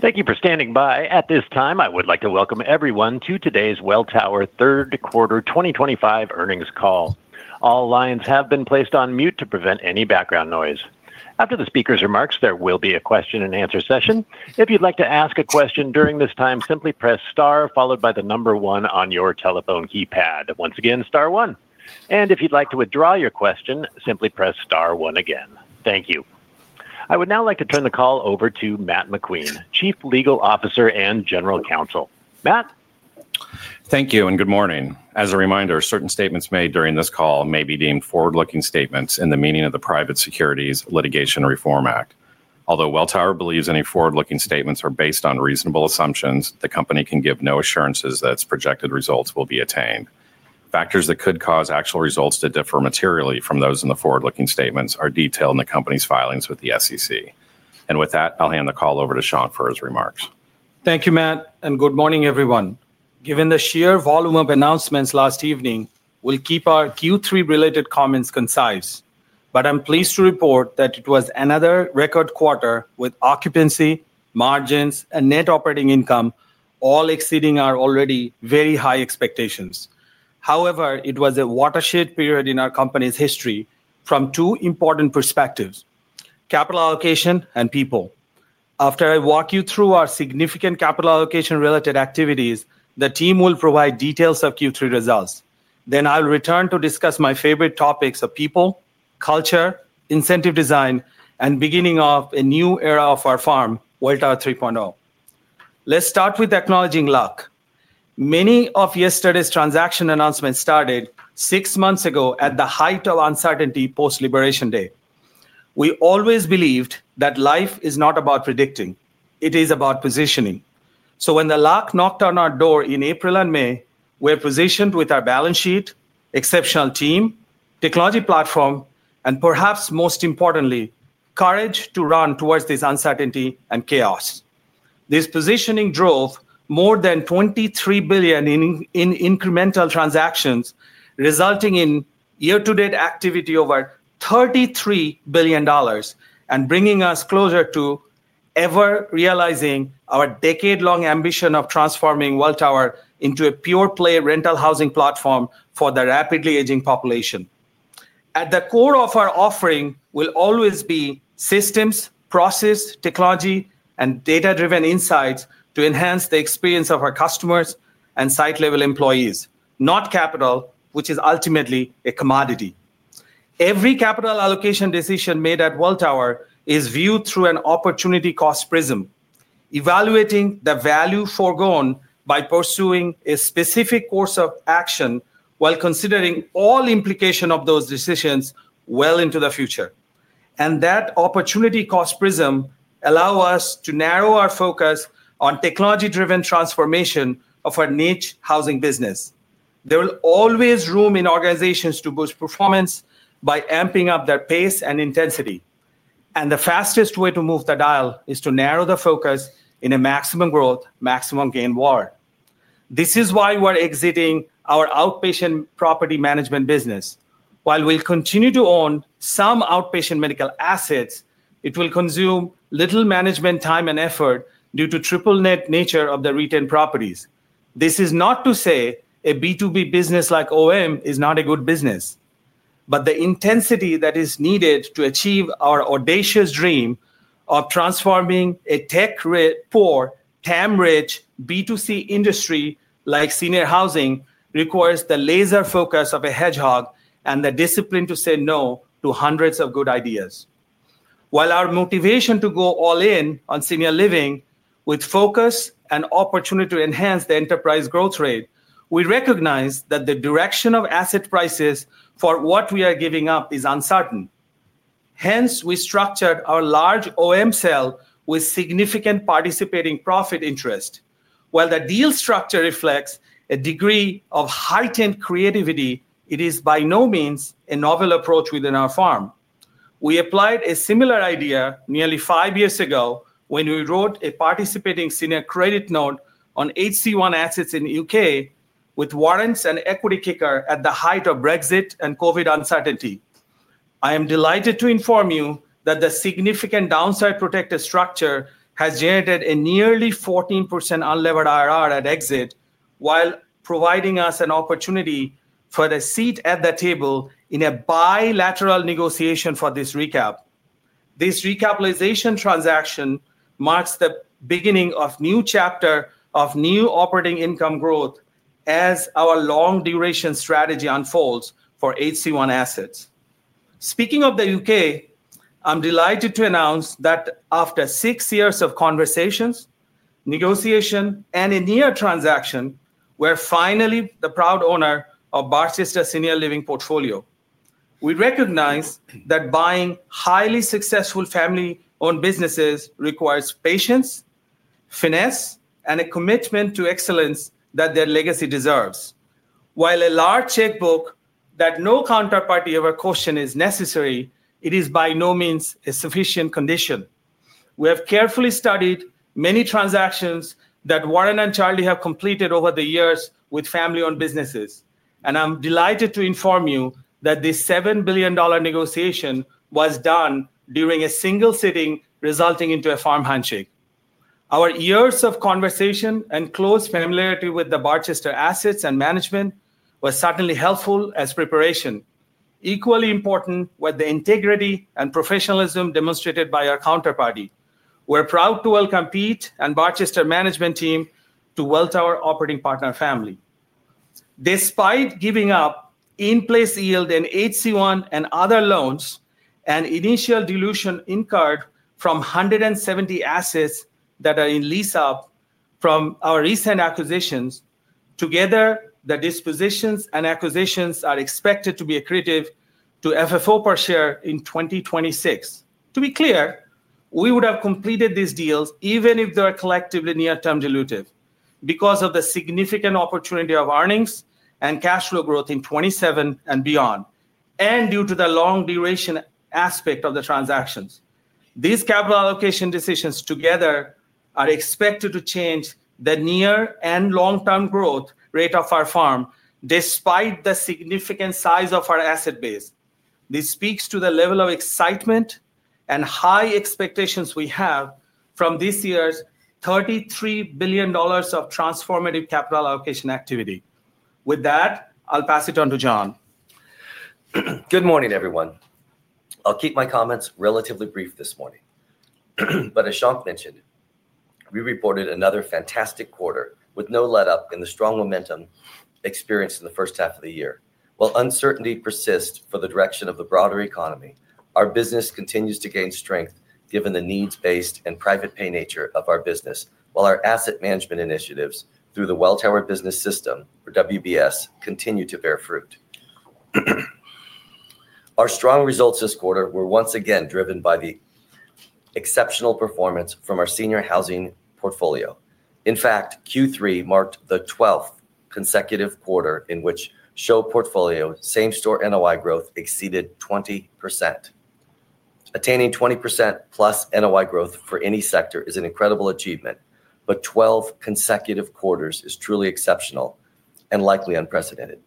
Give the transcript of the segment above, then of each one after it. Thank you for standing by. At this time, I would like to welcome everyone to today's Welltower Third Quarter 2025 earnings call. All lines have been placed on mute to prevent any background noise. After the speaker's remarks, there will be a question and answer session. If you'd like to ask a question during this time, simply press star followed by the number one on your telephone keypad. Once again, star one. If you'd like to withdraw your question, simply press star one again. Thank you. I would now like to turn the call over to Matt McQueen, Chief Legal Officer and General Counsel. Matt? Thank you and good morning. As a reminder, certain statements made during this call may be deemed forward-looking statements in the meaning of the Private Securities Litigation Reform Act. Although Welltower believes any forward-looking statements are based on reasonable assumptions, the company can give no assurances that its projected results will be attained. Factors that could cause actual results to differ materially from those in the forward-looking statements are detailed in the company's filings with the SEC. With that, I'll hand the call over to Shankh for his remarks. Thank you, Matt, and good morning, everyone. Given the sheer volume of announcements last evening, we'll keep our Q3 related comments concise. I'm pleased to report that it was another record quarter with occupancy, margins, and net operating income all exceeding our already very high expectations. It was a watershed period in our company's history from two important perspectives: capital allocation and people. After I walk you through our significant capital allocation-related activities, the team will provide details of Q3 results. I'll return to discuss my favorite topics of people, culture, incentive design, and the beginning of a new era for our firm, Welltower 3.0. Let's start with acknowledging luck. Many of yesterday's transaction announcements started six months ago at the height of uncertainty post-Liberation Day. We always believed that life is not about predicting; it is about positioning. When the luck knocked on our door in April and May, we were positioned with our balance sheet, exceptional team, technology platform, and perhaps most importantly, courage to run towards this uncertainty and chaos. This positioning drove more than $23 billion in incremental transactions, resulting in year-to-date activity over $33 billion and bringing us closer than ever to realizing our decade-long ambition of transforming Welltower into a pure-play rental housing platform for the rapidly aging population. At the core of our offering will always be systems, process, technology, and data-driven insights to enhance the experience of our customers and site-level employees, not capital, which is ultimately a commodity. Every capital allocation decision made at Welltower is viewed through an opportunity cost prism, evaluating the value foregone by pursuing a specific course of action while considering all implications of those decisions well into the future. That opportunity cost prism allows us to narrow our focus on technology-driven transformation of our niche housing business. There is always room in organizations to boost performance by amping up their pace and intensity. The fastest way to move the dial is to narrow the focus in a maximum growth, maximum gain war. This is why we're exiting our outpatient property management business. While we'll continue to own some outpatient medical assets, it will consume little management time and effort due to the triple-net nature of the retained properties. This is not to say a B2B business like OEM is not a good business. The intensity that is needed to achieve our audacious dream of transforming a tech-rich, poor, TAM-rich B2C industry like senior housing requires the laser focus of a hedgehog and the discipline to say no to hundreds of good ideas. While our motivation to go all in on senior living with focus and opportunity to enhance the enterprise growth rate, we recognize that the direction of asset prices for what we are giving up is uncertain. Hence, we structured our large OEM sale with significant participating profit interest. While the deal structure reflects a degree of heightened creativity, it is by no means a novel approach within our firm. We applied a similar idea nearly five years ago when we wrote a participating senior credit note on HC-One assets in the U.K. with warrants and equity kicker at the height of Brexit and COVID uncertainty. I am delighted to inform you that the significant downside protector structure has generated a nearly 14% unlevered IRR at exit while providing us an opportunity for the seat at the table in a bilateral negotiation for this recap. This recapitalization transaction marks the beginning of a new chapter of new operating income growth as our long-duration strategy unfolds for HC-One assets. Speaking of the U.K., I'm delighted to announce that after six years of conversations, negotiation, and a near transaction, we're finally the proud owner of Barchester Senior Living portfolio. We recognize that buying highly successful family-owned businesses requires patience, finesse, and a commitment to excellence that their legacy deserves. While a large checkbook that no counterparty ever questioned is necessary, it is by no means a sufficient condition. We have carefully studied many transactions that Warren and Charlie have completed over the years with family-owned businesses. I am delighted to inform you that this $7 billion negotiation was done during a single sitting resulting in a firm handshake. Our years of conversation and close familiarity with the Barchester assets and management were certainly helpful as preparation. Equally important was the integrity and professionalism demonstrated by our counterparty. We're proud to welcome Pete and Barchester's management team to the Welltower operating partner family. Despite giving up in-place yield in HC-One and other loans and initial dilution incurred from 170 assets that are in lease-up from our recent acquisitions, together the dispositions and acquisitions are expected to be accretive to FFO per share in 2026. To be clear, we would have completed these deals even if they're collectively near-term dilutive because of the significant opportunity of earnings and cash flow growth in 2027 and beyond, and due to the long-duration aspect of the transactions. These capital allocation decisions together are expected to change the near and long-term growth rate of our firm, despite the significant size of our asset base. This speaks to the level of excitement and high expectations we have from this year's $33 billion of transformative capital allocation activity. With that, I'll pass it on to John. Good morning, everyone. I'll keep my comments relatively brief this morning. As Shankh mentioned, we reported another fantastic quarter with no let-up in the strong momentum experienced in the first half of the year. While uncertainty persists for the direction of the broader economy, our business continues to gain strength given the needs-based and private pay nature of our business, while our asset management initiatives through the Welltower Business System, or WBS, continue to bear fruit. Our strong results this quarter were once again driven by the exceptional performance from our senior housing portfolio. In fact, Q3 marked the 12th consecutive quarter in which senior housing portfolio same-store NOI growth exceeded 20%. Attaining 20%+ NOI growth for any sector is an incredible achievement, but 12 consecutive quarters is truly exceptional and likely unprecedented.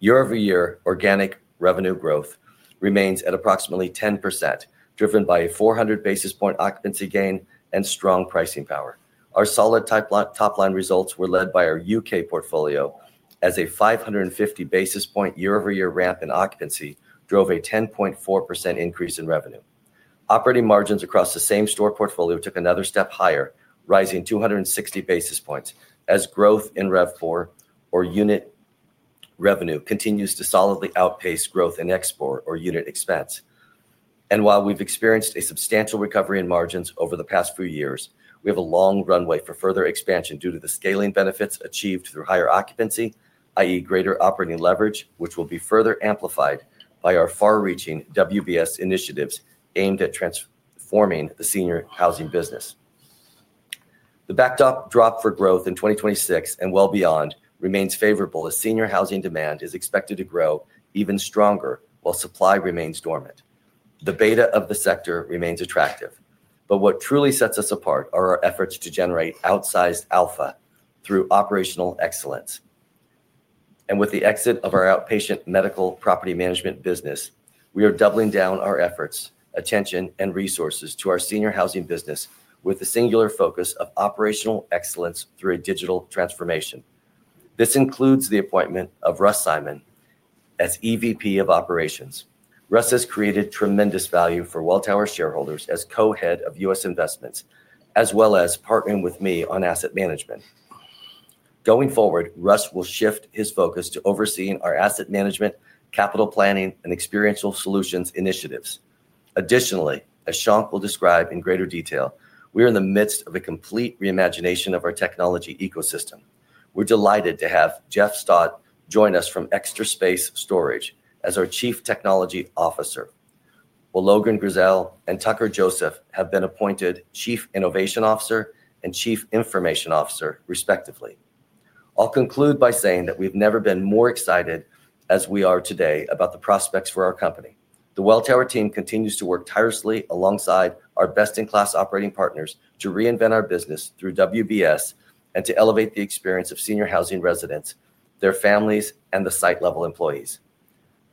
Year-over-year organic revenue growth remains at approximately 10%, driven by a 400 basis point occupancy gain and strong pricing power. Our solid top-line results were led by our U.K. portfolio as a 550 basis point year-over-year ramp in occupancy drove a 10.4% increase in revenue. Operating margins across the same-store portfolio took another step higher, rising 260 basis points as growth in RevPor, or unit revenue, continues to solidly outpace growth in ExPor, or unit expense. While we've experienced a substantial recovery in margins over the past few years, we have a long runway for further expansion due to the scaling benefits achieved through higher occupancy, i.e., greater operating leverage, which will be further amplified by our far-reaching WBS initiatives aimed at transforming the senior housing business. The backdrop for growth in 2026 and well beyond remains favorable as senior housing demand is expected to grow even stronger while supply remains dormant. The beta of the sector remains attractive. What truly sets us apart are our efforts to generate outsized alpha through operational excellence. With the exit of our outpatient medical property management business, we are doubling down our efforts, attention, and resources to our senior housing business with a singular focus of operational excellence through a digital transformation. This includes the appointment of Russ Simon as Executive Vice President of Operations. Russ has created tremendous value for Welltower shareholders as Co-Head of U.S. Investments, as well as partnering with me on asset management. Going forward, Russ will shift his focus to overseeing our Asset Management, Capital Planning, and Experiential Solutions initiatives. Additionally, as Shawn will describe in greater detail, we are in the midst of a complete reimagination of our technology ecosystem. We're delighted to have Jeff Stott join us from Extra Space Storage as our Chief Technology Officer, while Logan Griselle and Tucker Joseph have been appointed Chief Innovation Officer and Chief Information Officer, respectively. I'll conclude by saying that we've never been more excited as we are today about the prospects for our company. The Welltower team continues to work tirelessly alongside our best-in-class operating partners to reinvent our business through the WBS and to elevate the experience of senior housing residents, their families, and the site-level employees.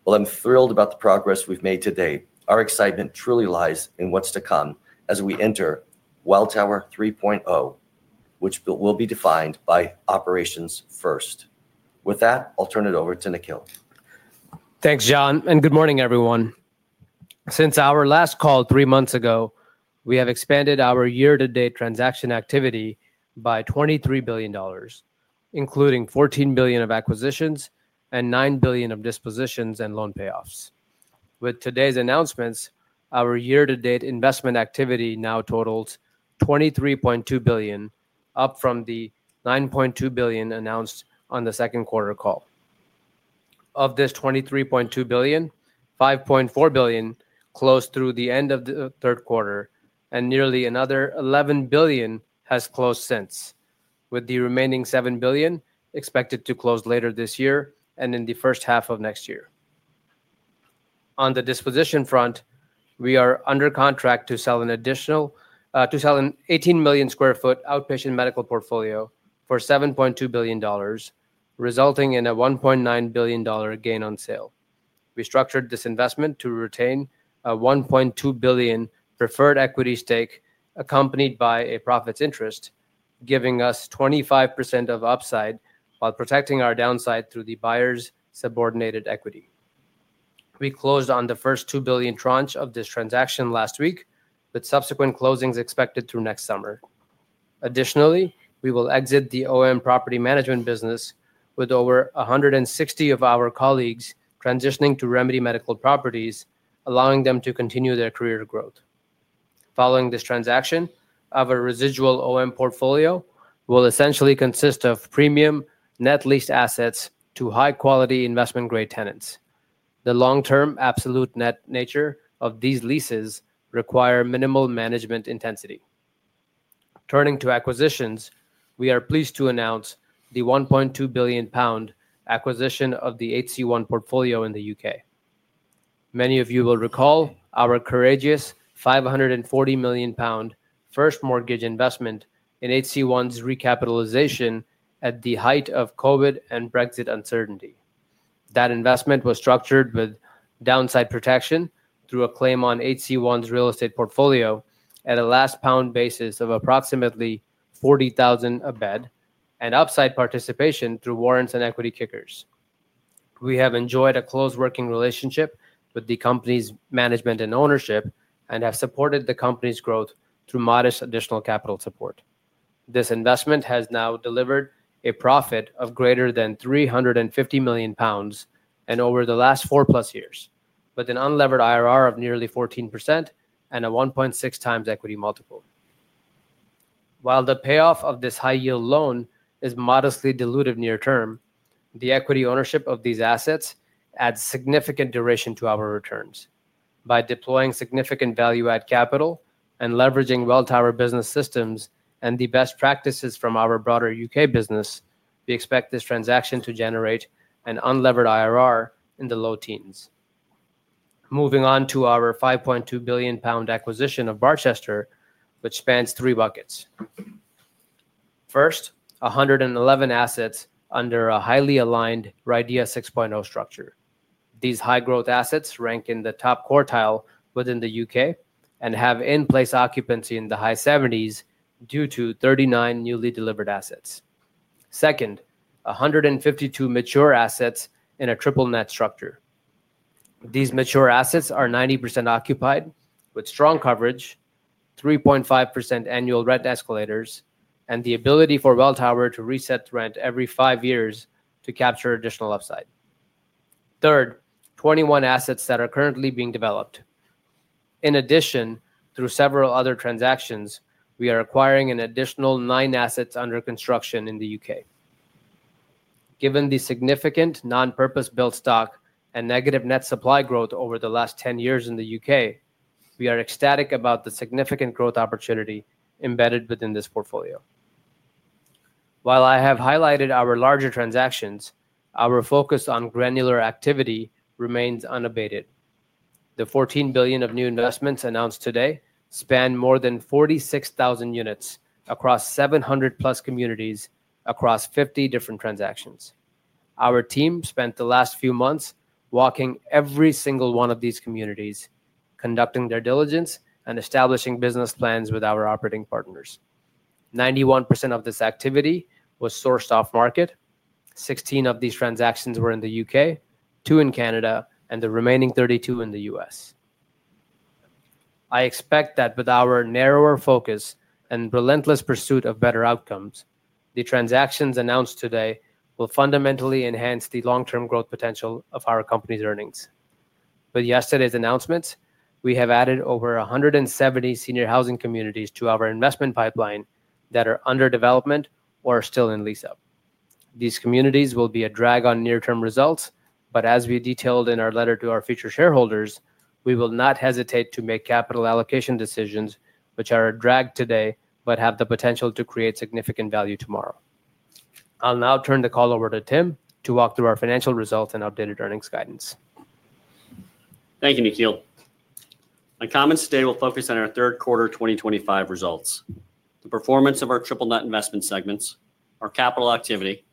While I'm thrilled about the progress we've made today, our excitement truly lies in what's to come as we enter Welltower 3.0, which will be defined by operations first. With that, I'll turn it over to Nikhil. Thanks, John, and good morning, everyone. Since our last call three months ago, we have expanded our year-to-date transaction activity by $23 billion, including $14 billion of acquisitions and $9 billion of dispositions and loan payoffs. With today's announcements, our year-to-date investment activity now totals $23.2 billion, up from the $9.2 billion announced on the second quarter call. Of this $23.2 billion, $5.4 billion closed through the end of the third quarter, and nearly another $11 billion has closed since, with the remaining $7 billion expected to close later this year and in the first half of next year. On the disposition front, we are under contract to sell an additional 18 million sq ft outpatient medical portfolio for $7.2 billion, resulting in a $1.9 billion gain on sale. We structured this investment to retain a $1.2 billion preferred equity stake, accompanied by a profits interest, giving us 25% of upside while protecting our downside through the buyer's subordinated equity. We closed on the first $2 billion tranche of this transaction last week, with subsequent closings expected through next summer. Additionally, we will exit the OEM property management business with over 160 of our colleagues transitioning to Remedy Medical Properties, allowing them to continue their career growth. Following this transaction, our residual OEM portfolio will essentially consist of premium net leased assets to high-quality investment-grade tenants. The long-term absolute net nature of these leases requires minimal management intensity. Turning to acquisitions, we are pleased to announce the $1.2 billion acquisition of the HC-One portfolio in the U.K. Many of you will recall our courageous $540 million first mortgage investment in HC-One's recapitalization at the height of COVID and Brexit uncertainty. That investment was structured with downside protection through a claim on HC-One's real estate portfolio at a last pound basis of approximately $40,000 a bed, and upside participation through warrants and equity kickers. We have enjoyed a close working relationship with the company's management and ownership and have supported the company's growth through modest additional capital support. This investment has now delivered a profit of greater than £350 million over the last 4+ years, with an unlevered IRR of nearly 14% and a 1.6x equity multiple. While the payoff of this high-yield loan is modestly dilutive near-term, the equity ownership of these assets adds significant duration to our returns. By deploying significant value-add capital and leveraging Welltower Business System and the best practices from our broader U.K. business, we expect this transaction to generate an unlevered IRR in the low teens. Moving on to our $5.2 billion acquisition of Barchester, which spans three buckets. First, 111 assets under a highly aligned RIDIA 6.0 structure. These high-growth assets rank in the top quartile within the U.K. and have in-place occupancy in the high 70s due to 39 newly delivered assets. Second, 152 mature assets in a triple-net structure. These mature assets are 90% occupied, with strong coverage, 3.5% annual rent escalators, and the ability for Welltower to reset rent every five years to capture additional upside. Third, 21 assets that are currently being developed. In addition, through several other transactions, we are acquiring an additional nine assets under construction in the U.K. Given the significant non-purpose-built stock and negative net supply growth over the last 10 years in the U.K., we are ecstatic about the significant growth opportunity embedded within this portfolio. While I have highlighted our larger transactions, our focus on granular activity remains unabated. The $14 billion of new investments announced today span more than 46,000 units across 700+ communities across 50 different transactions. Our team spent the last few months walking every single one of these communities, conducting their diligence, and establishing business plans with our operating partners. 91% of this activity was sourced off-market. Sixteen of these transactions were in the U.K., two in Canada, and the remaining 32 in the U.S. I expect that with our narrower focus and relentless pursuit of better outcomes, the transactions announced today will fundamentally enhance the long-term growth potential of our company's earnings. With yesterday's announcements, we have added over 170 senior housing communities to our investment pipeline that are under development or are still in lease up. These communities will be a drag on near-term results, but as we detailed in our letter to our future shareholders, we will not hesitate to make capital allocation decisions, which are a drag today but have the potential to create significant value tomorrow. I'll now turn the call over to Tim to walk through our financial results and updated earnings guidance. Thank you, Nikhil. My comments today will focus on our third quarter 2025 results, the performance of our triple-net investment segments, our capital activity,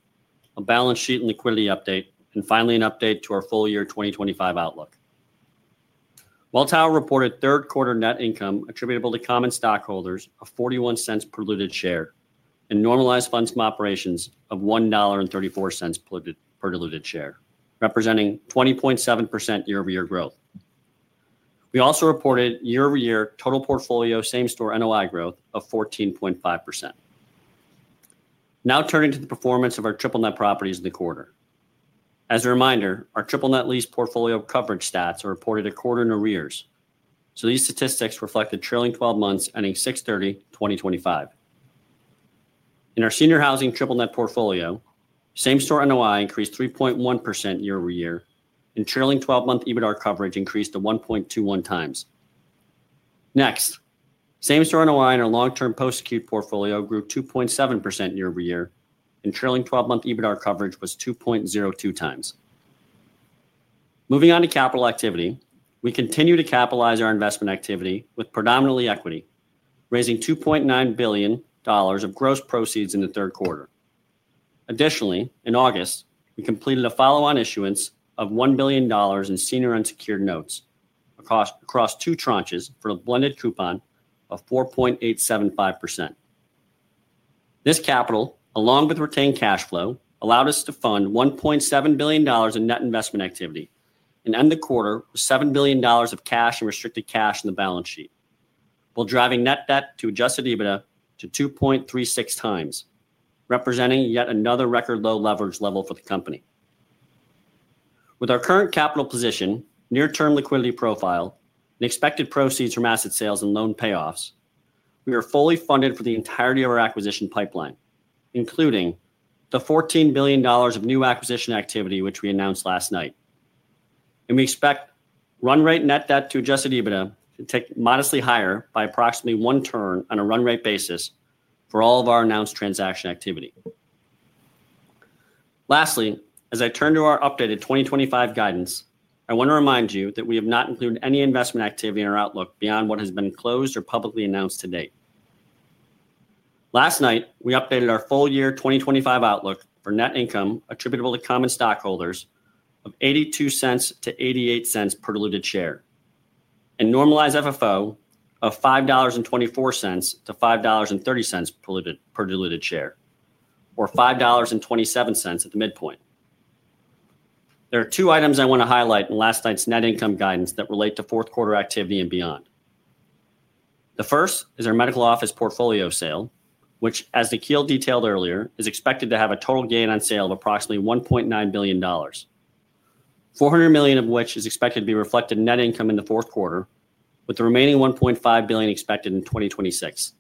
a balance sheet and liquidity update, and finally an update to our full year 2025 outlook. Welltower reported third quarter net income attributable to common stockholders of $0.41 per diluted share and normalized funds from operations of $1.34 per diluted share, representing 20.7% year-over-year growth. We also reported year-over-year total portfolio same-store NOI growth of 14.5%. Now turning to the performance of our triple-net properties in the quarter. As a reminder, our triple-net lease portfolio coverage stats are reported a quarter in arrears. These statistics reflect the trailing 12 months ending 6/30/2025. In our seniors housing triple-net portfolio, same-store NOI increased 3.1% year-over-year, and trailing 12-month EBITDA coverage increased to 1.21x. Next, same-store NOI in our long-term post-acute portfolio grew 2.7% year-over-year, and trailing 12-month EBITDA coverage was 2.02x. Moving on to capital activity, we continue to capitalize our investment activity with predominantly equity, raising $2.9 billion of gross proceeds in the third quarter. Additionally, in August, we completed a follow-on issuance of $1 billion in senior unsecured notes across two tranches for a blended coupon of 4.875%. This capital, along with retained cash flow, allowed us to fund $1.7 billion in net investment activity and end the quarter with $7 billion of cash and restricted cash in the balance sheet, while driving net debt to adjusted EBITDA to 2.36x, representing yet another record low leverage level for the company. With our current capital position, near-term liquidity profile, and expected proceeds from asset sales and loan payoffs, we are fully funded for the entirety of our acquisition pipeline, including the $14 billion of new acquisition activity, which we announced last night. We expect run rate net debt to adjusted EBITDA to tick modestly higher by approximately one turn on a run rate basis for all of our announced transaction activity. Lastly, as I turn to our updated 2025 guidance, I want to remind you that we have not included any investment activity in our outlook beyond what has been closed or publicly announced to date. Last night, we updated our full year 2025 outlook for net income attributable to common stockholders of $0.82-$0.88 per diluted share and normalized FFO of $5.24-$5.30 per diluted share, or $5.27 at the midpoint. There are two items I want to highlight in last night's net income guidance that relate to fourth quarter activity and beyond. The first is our medical office portfolio sale, which, as Nikhil detailed earlier, is expected to have a total gain on sale of approximately $1.9 billion, $400 million of which is expected to be reflected in net income in the fourth quarter, with the remaining $1.5 billion expected in 2026.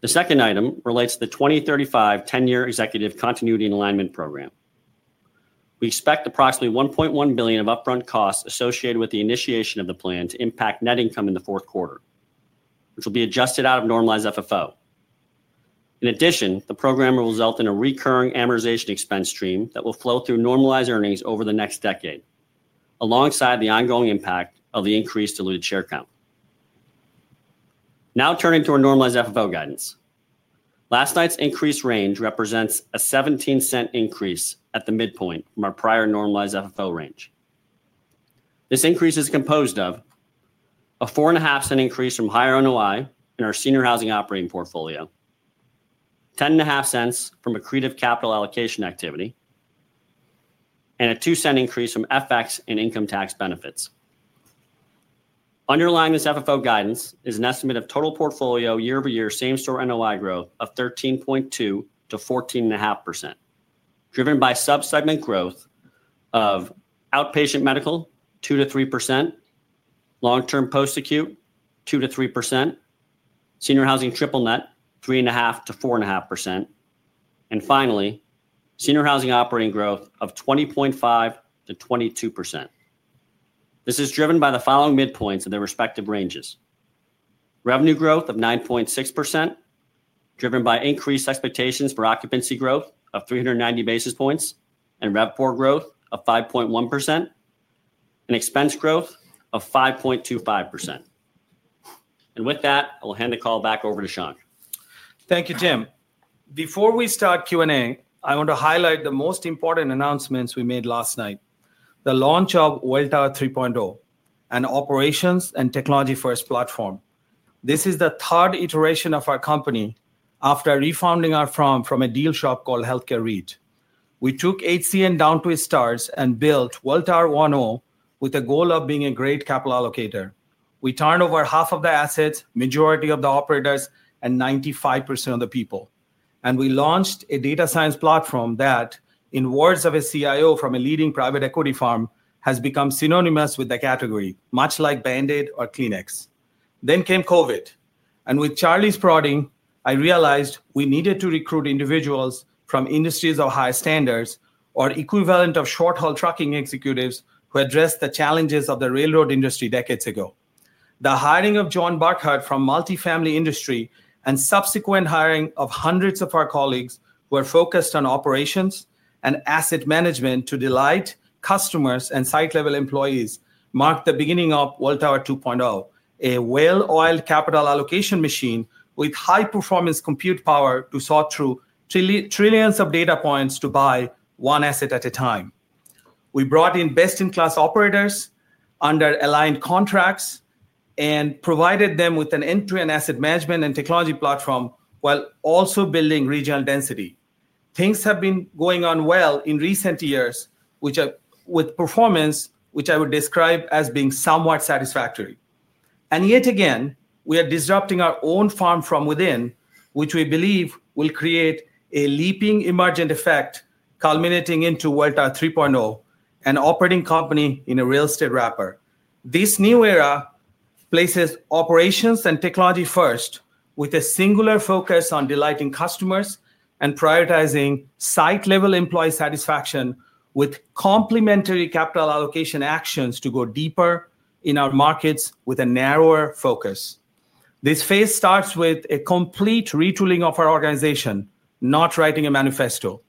The second item relates to the 2035 10-year executive continuity and alignment program. We expect approximately $1.1 billion of upfront costs associated with the initiation of the plan to impact net income in the fourth quarter, which will be adjusted out of normalized FFO. In addition, the program will result in a recurring amortization expense stream that will flow through normalized earnings over the next decade, alongside the ongoing impact of the increased diluted share count. Now turning to our normalized FFO guidance, last night's increased range represents a $0.17 increase at the midpoint from our prior normalized FFO range. This increase is composed of a $0.05 increase from higher NOI in our seniors housing operating portfolio, $0.10 from accretive capital allocation activity, and a $0.02 increase from FX and income tax benefits. Underlying this FFO guidance is an estimate of total portfolio year-over-year same-store NOI growth of 13.2%-14.5%, driven by subsegment growth of outpatient medical 2%-3%, long-term post-acute 2%-3%, seniors housing triple net 3.5%-4.5%, and finally, seniors housing operating growth of 20.5%-22%. This is driven by the following midpoints in their respective ranges: revenue growth of 9.6%, driven by increased expectations for occupancy growth of 390 basis points, and RevPor growth of 5.1%, and expense growth of 5.25%. With that, I will hand the call back over to Shankh. Thank you, Tim. Before we start Q&A, I want to highlight the most important announcements we made last night: the launch of Welltower 3.0, an operations and technology-first platform. This is the third iteration of our company after refounding our firm from a deal shop called Healthcare REIT. We took HCN down to its studs and built Welltower 1.0 with the goal of being a great capital allocator. We turned over half of the assets, the majority of the operators, and 95% of the people. We launched a data science platform that, in the words of a CIO from a leading private equity firm, has become synonymous with the category, much like Band-Aid or Kleenex. COVID came. With Charlie's prodding, I realized we needed to recruit individuals from industries of high standards or the equivalent of short-haul trucking executives who addressed the challenges of the railroad industry decades ago. The hiring of John Burkart from the multifamily industry and the subsequent hiring of hundreds of our colleagues who are focused on operations and asset management to delight customers and site-level employees marked the beginning of Welltower 2.0, a well-oiled capital allocation machine with high-performance compute power to sort through trillions of data points to buy one asset at a time. We brought in best-in-class operators under aligned contracts and provided them with an end-to-end asset management and technology platform while also building regional density. Things have been going on well in recent years, with performance which I would describe as being somewhat satisfactory. Yet again, we are disrupting our own firm from within, which we believe will create a leaping emergent effect culminating into Welltower 3.0, an operating company in a real estate wrapper. This new era places operations and technology first, with a singular focus on delighting customers and prioritizing site-level employee satisfaction with complementary capital allocation actions to go deeper in our markets with a narrower focus. This phase starts with a complete retooling of our organization, not writing a manifesto.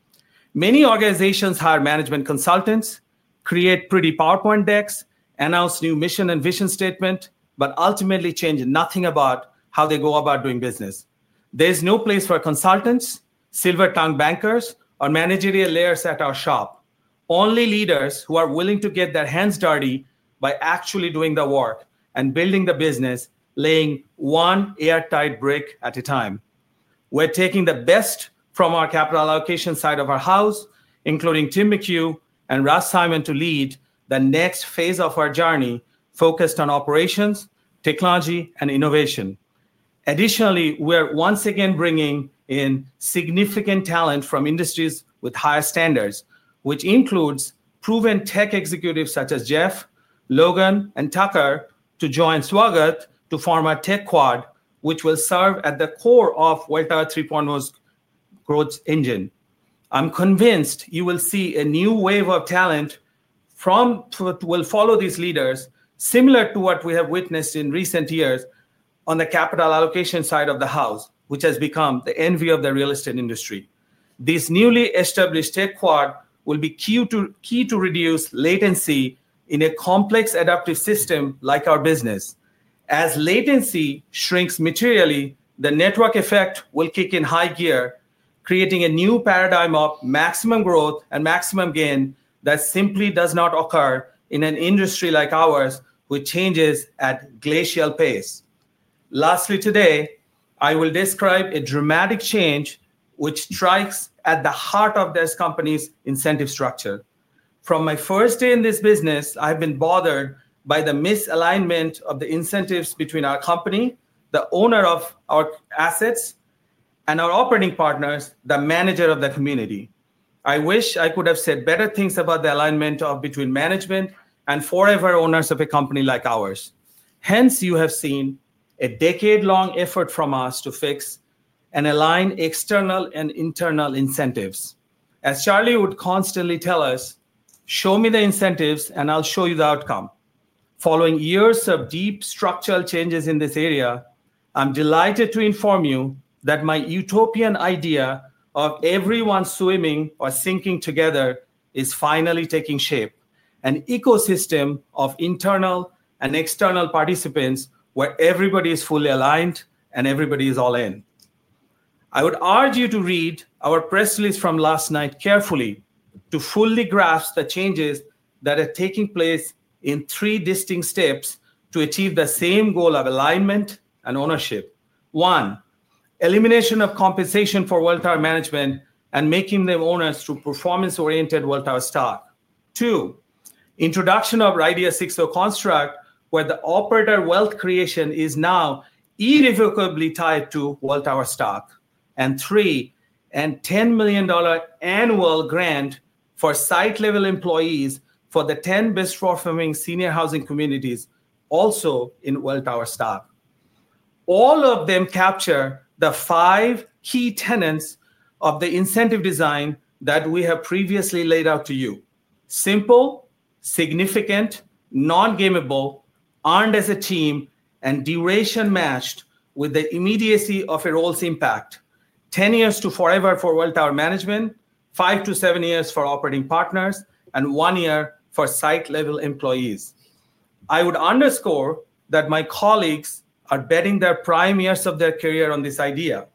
Many organizations hire management consultants, create pretty PowerPoint decks, announce new mission and vision statements, but ultimately change nothing about how they go about doing business. There is no place for consultants, silver-tongued bankers, or managerial layers at our shop. Only leaders who are willing to get their hands dirty by actually doing the work and building the business, laying one airtight brick at a time. We're taking the best from our capital allocation side of our house, including Tim McHugh and Russ Simon to lead the next phase of our journey focused on operations, technology, and innovation. Additionally, we are once again bringing in significant talent from industries with higher standards, which includes proven tech executives such as Jeff Stott, Logan Griselle, and Tucker Joseph to join the swagger to form our tech quad, which will serve at the core of Welltower 3.0's growth engine. I'm convinced you will see a new wave of talent that will follow these leaders, similar to what we have witnessed in recent years on the capital allocation side of the house, which has become the envy of the real estate industry. This newly established tech quad will be key to reduce latency in a complex adaptive system like our business. As latency shrinks materially, the network effect will kick in high gear, creating a new paradigm of maximum growth and maximum gain that simply does not occur in an industry like ours, which changes at a glacial pace. Lastly, today, I will describe a dramatic change which strikes at the heart of this company's incentive structure. From my first day in this business, I've been bothered by the misalignment of the incentives between our company, the owner of our assets, and our operating partners, the manager of the community. I wish I could have said better things about the alignment between management and forever owners of a company like ours. Hence, you have seen a decade-long effort from us to fix and align external and internal incentives. As Charlie would constantly tell us, "Show me the incentives, and I'll show you the outcome." Following years of deep structural changes in this area, I'm delighted to inform you that my utopian idea of everyone swimming or sinking together is finally taking shape, an ecosystem of internal and external participants where everybody is fully aligned and everybody is all in. I would urge you to read our press release from last night carefully to fully grasp the changes that are taking place in three distinct steps to achieve the same goal of alignment and ownership: one, elimination of compensation for Welltower management and making them owners through performance-oriented Welltower stock; two, introduction of RIDIA 6.0 construct, where the operator wealth creation is now irrevocably tied to Welltower stock; and three, a $10 million annual grant for site-level employees for the 10 best-performing senior housing communities also in Welltower stock. All of them capture the five key tenets of the incentive design that we have previously laid out to you: simple, significant, non-gamable, earned as a team, and duration matched with the immediacy of a role's impact: 10 years to forever for Welltower management, five to seven years for operating partners, and one year for site-level employees. I would underscore that my colleagues are betting their prime years of their career on this idea,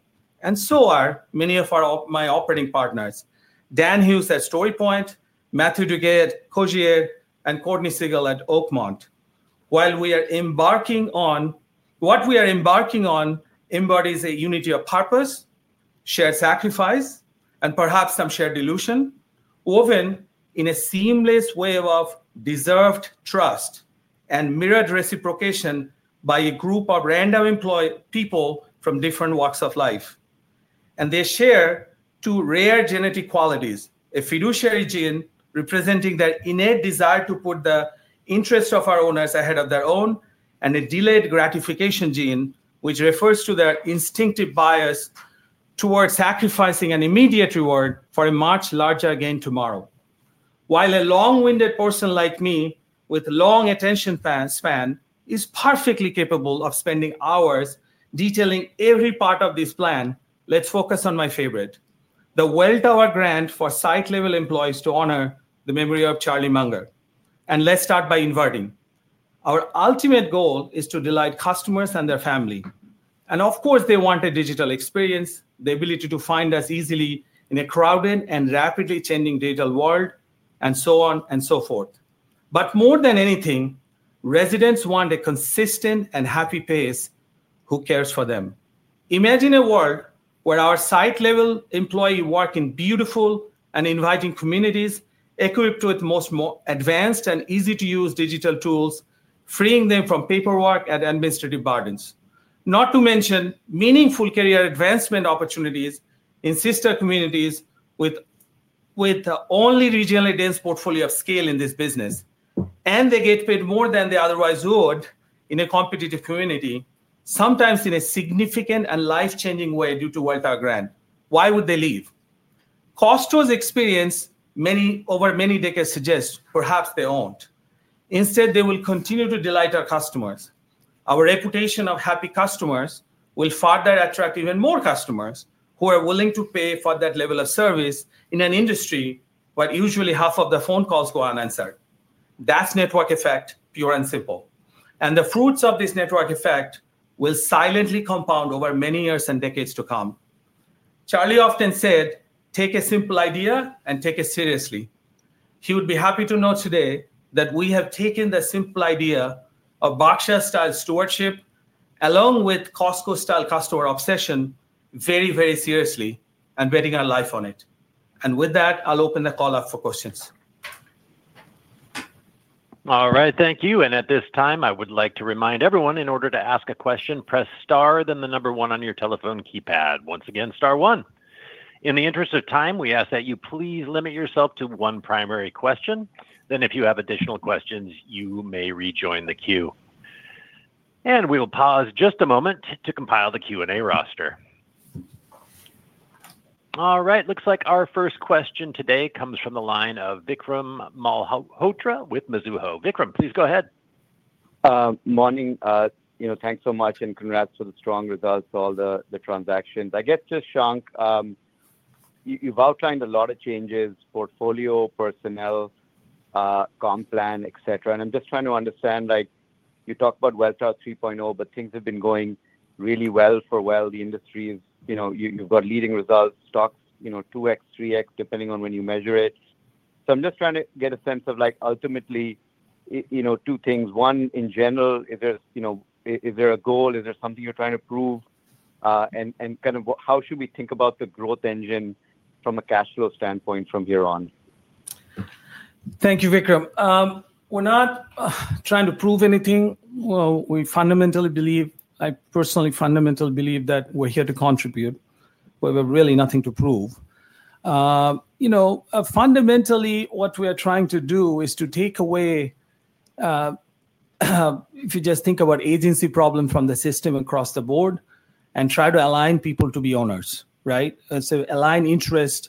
and so are many of my operating partners: Dan Hughes at StoryPoint, Matthieu Duguay at Cogir, and Courtney Siegel at Oakmont. What we are embarking on embodies a unity of purpose, shared sacrifice, and perhaps some shared delusion, woven in a seamless web of deserved trust and mirrored reciprocation by a group of random employee people from different walks of life. They share two rare genetic qualities: a fiduciary gene representing their innate desire to put the interests of our owners ahead of their own, and a delayed gratification gene, which refers to their instinctive bias towards sacrificing an immediate reward for a much larger gain tomorrow. While a long-winded person like me, with a long attention span, is perfectly capable of spending hours detailing every part of this plan, let's focus on my favorite: the Welltower grant for site-level employees to honor the memory of Charlie Munger. Let's start by inverting. Our ultimate goal is to delight customers and their family. Of course, they want a digital experience, the ability to find us easily in a crowded and rapidly changing digital world, and so on and so forth. More than anything, residents want a consistent and happy place who cares for them. Imagine a world where our site-level employees work in beautiful and inviting communities equipped with the most advanced and easy-to-use digital tools, freeing them from paperwork and administrative burdens. Not to mention meaningful career advancement opportunities in sister communities with the only regionally dense portfolio of scale in this business. They get paid more than they otherwise would in a competitive community, sometimes in a significant and life-changing way due to the Welltower grant. Why would they leave? Cost to experience, over many decades, suggests perhaps they won't. Instead, they will continue to delight our customers. Our reputation of happy customers will further attract even more customers who are willing to pay for that level of service in an industry where usually half of the phone calls go unanswered. That is network effect, pure and simple. The fruits of this network effect will silently compound over many years and decades to come. Charlie often said, "Take a simple idea and take it seriously." He would be happy to know today that we have taken the simple idea of Berkshire-style stewardship, along with Costco-style customer obsession, very, very seriously and betting our life on it. With that, I'll open the call up for questions. All right. Thank you. At this time, I would like to remind everyone, in order to ask a question, press star, then the number one on your telephone keypad. Once again, star one. In the interest of time, we ask that you please limit yourself to one primary question. If you have additional questions, you may rejoin the queue. We will pause just a moment to compile the Q&A roster. All right. Looks like our first question today comes from the line of Vikram Malhotra with Mizuho. Vikram, please go ahead. Morning. Thanks so much, and congrats for the strong results to all the transactions. Shawn, you've outlined a lot of changes: portfolio, personnel comp plan, et cetera. I'm just trying to understand, like you talked about Welltower 3.0, but things have been going really well for Welltower. The industry is, you've got leading results, stocks 2x, 3x, depending on when you measure it. I'm just trying to get a sense of, like ultimately, you know, two things. One, in general, is there a goal? Is there something you're trying to prove? Kind of how should we think about the growth engine from a cash flow standpoint from here on? Thank you, Vikram. We're not trying to prove anything. I fundamentally believe, I personally fundamentally believe, that we're here to contribute, but we have really nothing to prove. Fundamentally, what we are trying to do is to take away, if you just think about the agency problem from the system across the board, and try to align people to be owners, right? Align interests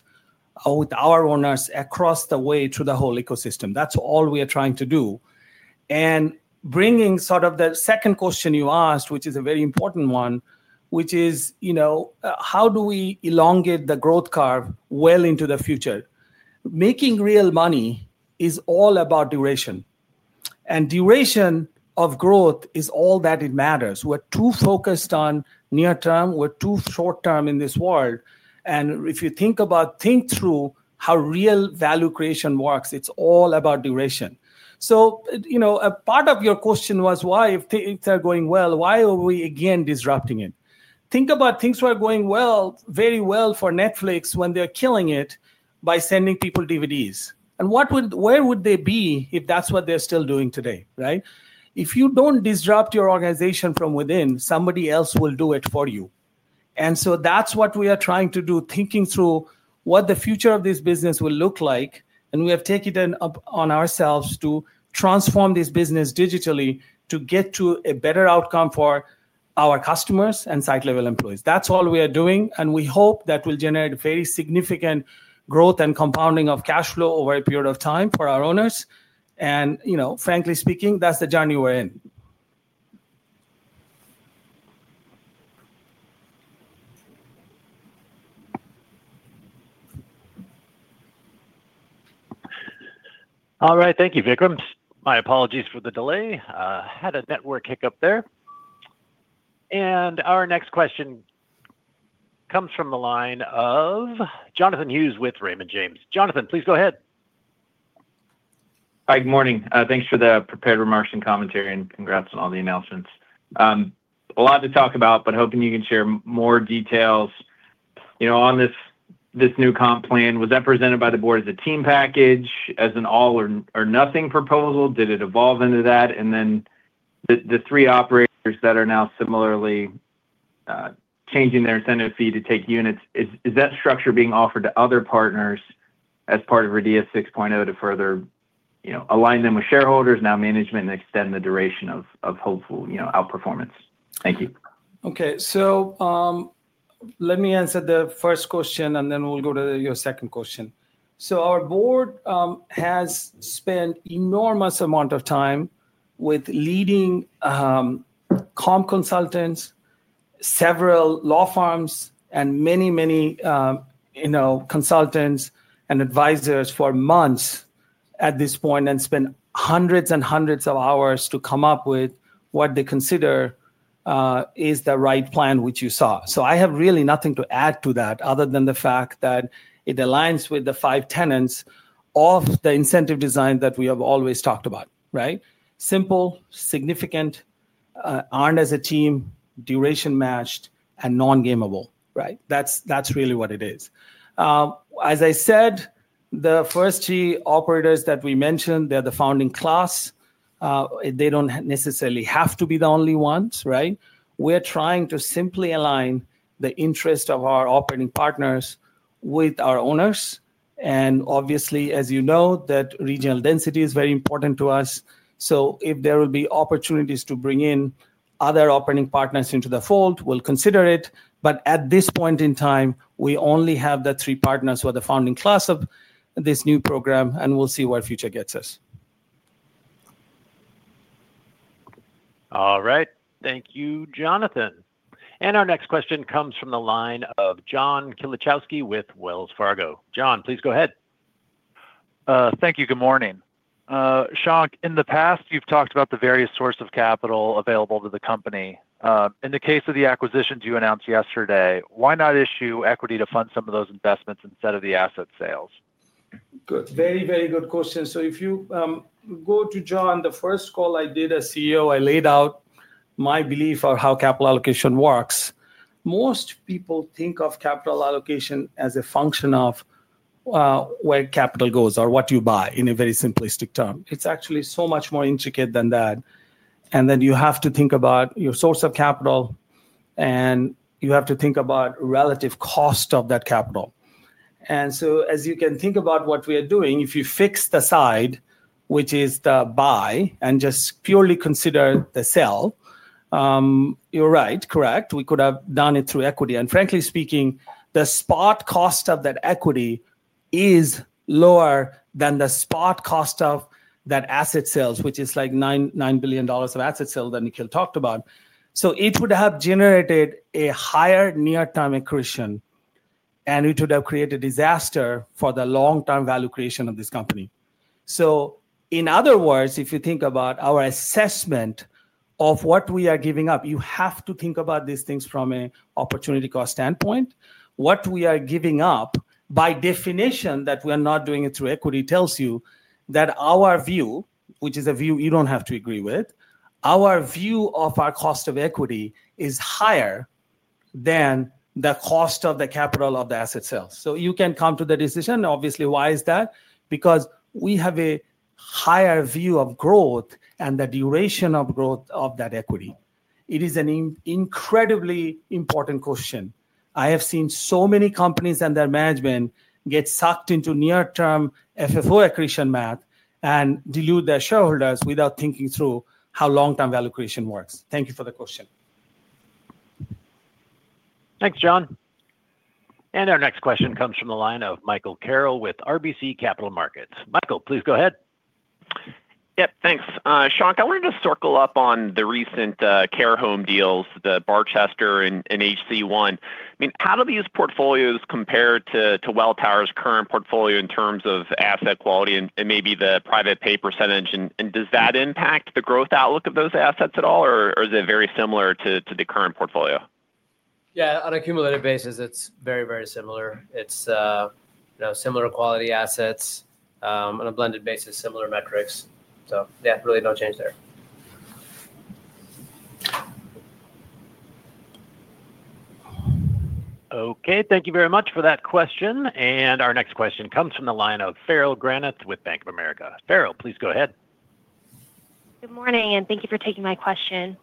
with our owners across the way through the whole ecosystem. That's all we are trying to do. Bringing sort of the second question you asked, which is a very important one, which is, you know, how do we elongate the growth curve well into the future? Making real money is all about duration. Duration of growth is all that it matters. We're too focused on near-term. We're too short-term in this world. If you think about, think through how real value creation works, it's all about duration. A part of your question was, why if things are going well, why are we again disrupting it? Think about things that are going very well for Netflix when they're killing it by sending people DVDs. Where would they be if that's what they're still doing today, right? If you don't disrupt your organization from within, somebody else will do it for you. That's what we are trying to do, thinking through what the future of this business will look like. We have taken it on ourselves to transform this business digitally to get to a better outcome for our customers and site-level employees. That's all we are doing. We hope that will generate very significant growth and compounding of cash flow over a period of time for our owners. Frankly speaking, that's the journey we're in. All right. Thank you, Vikram. My apologies for the delay. I had a network hiccup there. Our next question comes from the line of Jonathan Hughes with Raymond James. Jonathan, please go ahead. Hi. Good morning. Thanks for the prepared remarks and commentary, and congrats on all the announcements. A lot to talk about, but hoping you can share more details. On this new comp plan, was that presented by the board as a team package, as an all-or-nothing proposal? Did it evolve into that? The three operators that are now similarly changing their incentive fee to take units, is that structure being offered to other partners as part of RIDIA 6.0 to further align them with shareholders, now management, and extend the duration of hopeful outperformance? Thank you. OK. Let me answer the first question, and then we'll go to your second question. Our board has spent an enormous amount of time with leading comp consultants, several law firms, and many consultants and advisors for months at this point and spent hundreds and hundreds of hours to come up with what they consider is the right plan, which you saw. I have really nothing to add to that other than the fact that it aligns with the five tenets of the incentive design that we have always talked about: simple, significant, earned as a team, duration matched, and non-gamable. That's really what it is. As I said, the first three operators that we mentioned, they're the founding class. They don't necessarily have to be the only ones, right? We're trying to simply align the interests of our operating partners with our owners. Obviously, as you know, that regional density is very important to us. If there will be opportunities to bring in other operating partners into the fold, we'll consider it. At this point in time, we only have the three partners who are the founding class of this new program, and we'll see where the future gets us. All right. Thank you, Jonathan. Our next question comes from the line of John Kilichowski with Wells Fargo. John, please go ahead. Thank you. Good morning. Shankh, in the past, you've talked about the various sources of capital available to the company. In the case of the acquisitions you announced yesterday, why not issue equity to fund some of those investments instead of the asset sales? Good. Very, very good question. If you go to John, the first call I did as CEO, I laid out my belief on how capital allocation works. Most people think of capital allocation as a function of where capital goes or what you buy, in a very simplistic term. It is actually so much more intricate than that. You have to think about your source of capital, and you have to think about the relative cost of that capital. As you can think about what we are doing, if you fix the side, which is the buy, and just purely consider the sell, you are right, correct? We could have done it through equity. Frankly speaking, the spot cost of that equity is lower than the spot cost of that asset sales, which is like $9 billion of asset sales that Nikhil talked about. It would have generated a higher near-term accretion, and it would have created a disaster for the long-term value creation of this company. In other words, if you think about our assessment of what we are giving up, you have to think about these things from an opportunity cost standpoint. What we are giving up, by definition, that we are not doing it through equity tells you that our view, which is a view you do not have to agree with, our view of our cost of equity is higher than the cost of the capital of the asset sales. You can come to the decision. Obviously, why is that? We have a higher view of growth and the duration of growth of that equity. It is an incredibly important question. I have seen so many companies and their management get sucked into near-term FFO accretion math and dilute their shareholders without thinking through how long-term value creation works. Thank you for the question. Thanks, John. Our next question comes from the line of Michael Carroll with RBC Capital Markets. Michael, please go ahead. Yep. Thanks. Shankh, I wanted to just circle up on the recent care home deals, the Barchester and HC-One. I mean, how do these portfolios compare to Welltower's current portfolio in terms of asset quality and maybe the private pay percentage? Does that impact the growth outlook of those assets at all, or is it very similar to the current portfolio? Yeah, on an accumulated basis, it's very, very similar. It's similar quality assets. On a blended basis, similar metrics. Really no change there. Thank you very much for that question. Our next question comes from the line of Farrell Granitz with Bank of America. Farrell, please go ahead. Good morning, and thank you for taking my question.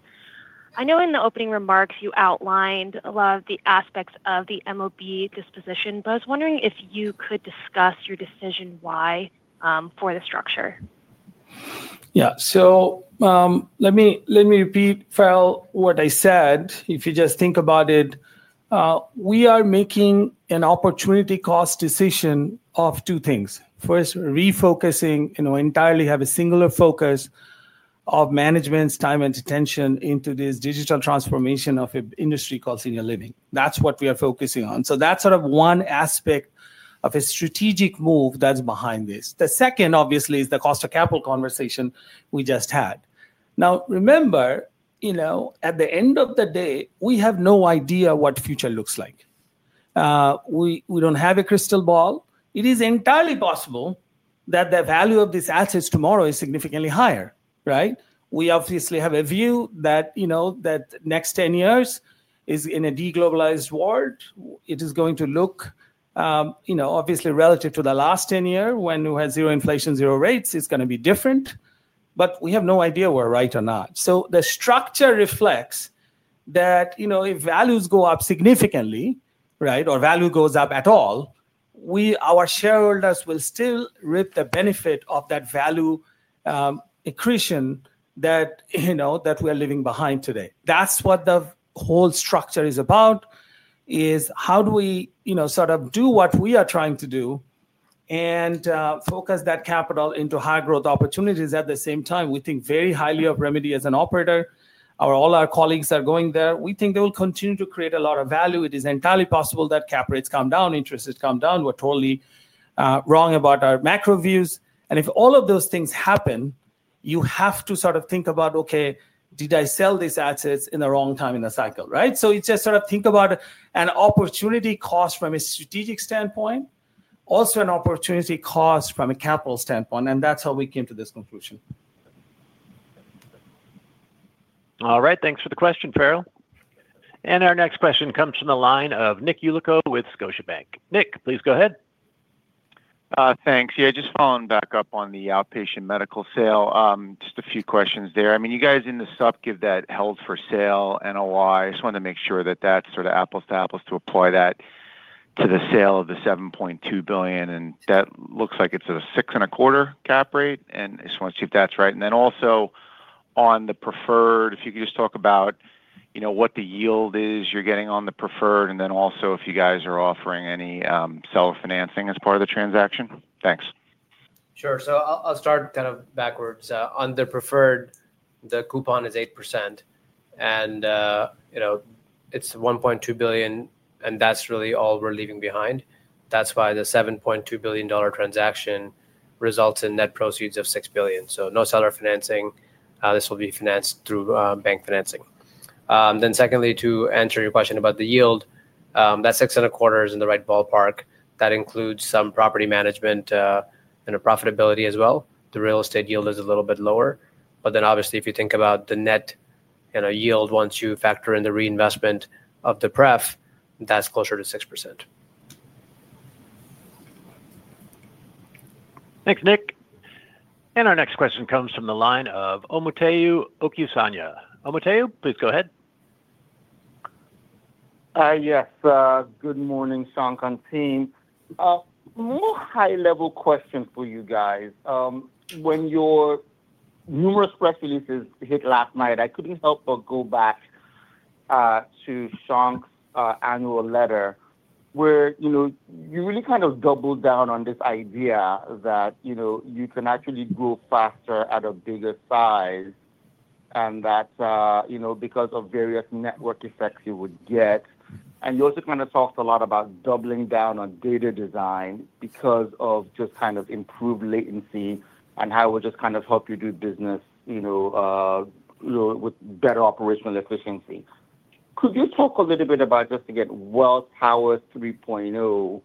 I know in the opening remarks you outlined a lot of the aspects of the MOB disposition, but I was wondering if you could discuss your decision why for the structure. Yeah. Let me repeat, Farrell, what I said. If you just think about it, we are making an opportunity cost decision of two things. First, refocusing, and we entirely have a singular focus of management's time and attention into this digital transformation of an industry called senior living. That's what we are focusing on. That's sort of one aspect of a strategic move that's behind this. The second, obviously, is the cost of capital conversation we just had. Now remember, at the end of the day, we have no idea what the future looks like. We don't have a crystal ball. It is entirely possible that the value of these assets tomorrow is significantly higher, right? We obviously have a view that the next 10 years in a de-globalized world, it is going to look, obviously relative to the last 10 years when we had zero inflation, zero rates, it's going to be different. We have no idea whether we're right or not. The structure reflects that if values go up significantly, right, or value goes up at all, our shareholders will still reap the benefit of that value accretion that we are leaving behind today. That's what the whole structure is about, is how do we sort of do what we are trying to do and focus that capital into high growth opportunities at the same time? We think very highly of Remedy as an operator. All our colleagues are going there. We think they will continue to create a lot of value. It is entirely possible that cap rates come down, interest rates come down. We're totally wrong about our macro views. If all of those things happen, you have to sort of think about, OK, did I sell these assets in the wrong time in the cycle, right? Just sort of think about an opportunity cost from a strategic standpoint, also an opportunity cost from a capital standpoint. That's how we came to this conclusion. All right. Thanks for the question, Farrell. Our next question comes from the line of Nick Yulico with Scotiabank. Nick, please go ahead. Thanks. Yeah, just following back up on the outpatient medical sale, just a few questions there. I mean, you guys in the sub give that held for sale NOI. I just wanted to make sure that that's sort of apples to apples to apply that to the sale of the $7.2 billion. That looks like it's at a 6.25% cap rate. I just want to see if that's right. Also, on the preferred, if you could just talk about what the yield is you're getting on the preferred, and if you guys are offering any seller financing as part of the transaction. Thanks. Sure. I'll start kind of backwards. On the preferred, the coupon is 8%. It's $1.2 billion, and that's really all we're leaving behind. That's why the $7.2 billion transaction results in net proceeds of $6 billion. No seller financing. This will be financed through bank financing. To answer your question about the yield, that 6.25% is in the right ballpark. That includes some property management and profitability as well. The real estate yield is a little bit lower. Obviously, if you think about the net yield, once you factor in the reinvestment of the pref, that's closer to 6%. Thanks, Nick. Our next question comes from the line of Omotayo Okusanya. Omotayo, please go ahead. Yes. Good morning, Shankh Masoumi. More high-level question for you guys. When your numerous press releases hit last night, I couldn't help but go back to Shankh's annual letter, where you really kind of doubled down on this idea that you can actually grow faster at a bigger size and that because of various network effects you would get. You also kind of talked a lot about doubling down on data design because of just kind of improved latency and how it would just kind of help you do business with better operational efficiency. Could you talk a little bit about, just to get, Welltower 3.0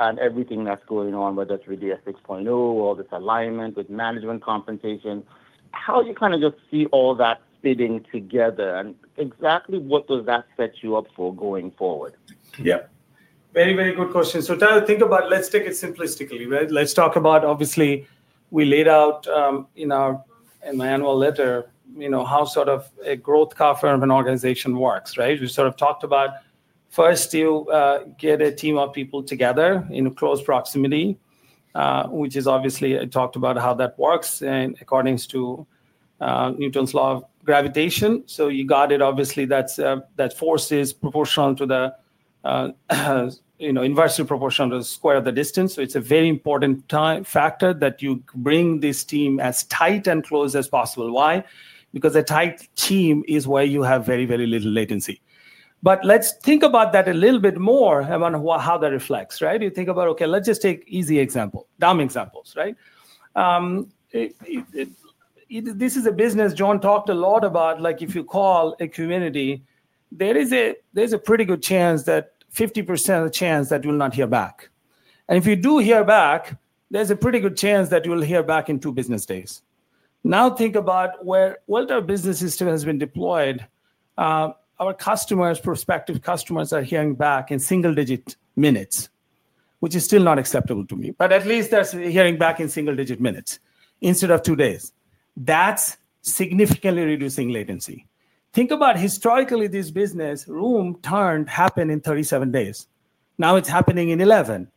and everything that's going on, whether it's RIDIA 6.0 or this alignment with management confrontation, how you kind of just see all that fitting together? Exactly what does that set you up for going forward? Yeah. Very, very good question. To think about, let's take it simplistically, right? Let's talk about, obviously, we laid out in my annual letter how sort of a growth curve for an organization works, right? We sort of talked about, first, you get a team of people together in close proximity, which is obviously I talked about how that works according to Newton's law of gravitation. You got it. Obviously, that force is proportional to the inverse of proportion to the square of the distance. It's a very important factor that you bring this team as tight and close as possible. Why? Because a tight team is where you have very, very little latency. Let's think about that a little bit more about how that reflects, right? You think about, OK, let's just take easy examples, dumb examples, right? This is a business. John talked a lot about, if you call a community, there is a pretty good chance that 50% of the chance that you will not hear back. If you do hear back, there's a pretty good chance that you will hear back in two business days. Now think about where Welltower Business System has been deployed. Our customers, prospective customers, are hearing back in single-digit minutes, which is still not acceptable to me. At least they're hearing back in single-digit minutes instead of two days. That's significantly reducing latency. Think about, historically, this business room turned happened in 37 days. Now it's happening in 11.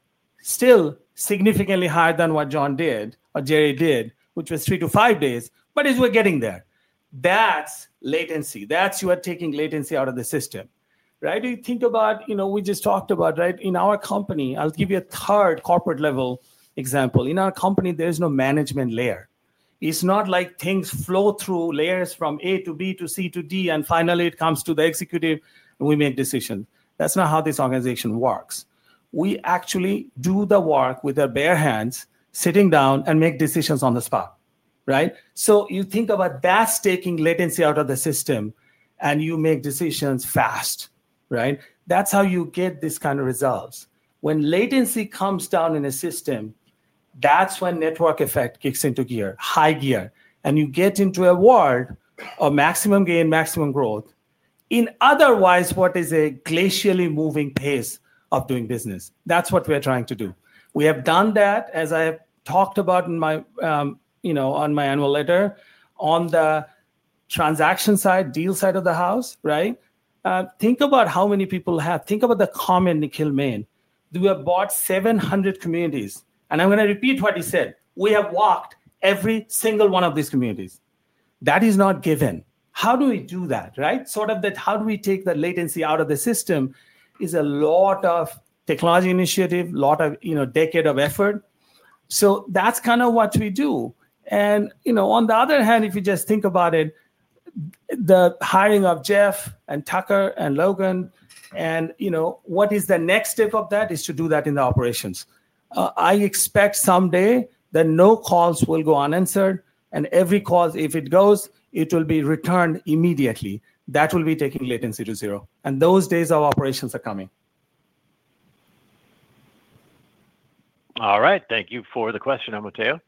Still, significantly higher than what John did or Jerry did, which was three to five days, but we're getting there. That's latency. That's you are taking latency out of the system, right? You think about, we just talked about, right? In our company, I'll give you a third corporate-level example. In our company, there is no management layer. It's not like things flow through layers from A to B to C to D, and finally, it comes to the executive, and we make decisions. That's not how this organization works. We actually do the work with our bare hands, sitting down, and making decisions on the spot, right? You think about that's taking latency out of the system, and you make decisions fast, right? That's how you get these kind of results. When latency comes down in a system, that's when network effect kicks into gear, high gear. You get into a world of maximum gain, maximum growth in otherwise what is a glacially moving pace of doing business. That's what we're trying to do. We have done that, as I have talked about in my annual letter, on the transaction side, deal side of the house, right? Think about how many people have. Think about the comment Nikhil made. We have bought 700 communities. I'm going to repeat what he said. We have walked every single one of these communities. That is not given. How do we do that, right? How do we take the latency out of the system is a lot of technology initiative, a lot of decades of effort. That's kind of what we do. If you just think about it, the hiring of Jeff and Tucker and Logan, and what is the next step of that is to do that in the operations. I expect someday that no calls will go unanswered. Every call, if it goes, it will be returned immediately. That will be taking latency to zero. Those days of operations are coming. All right. Thank you for the question, Omotheyu.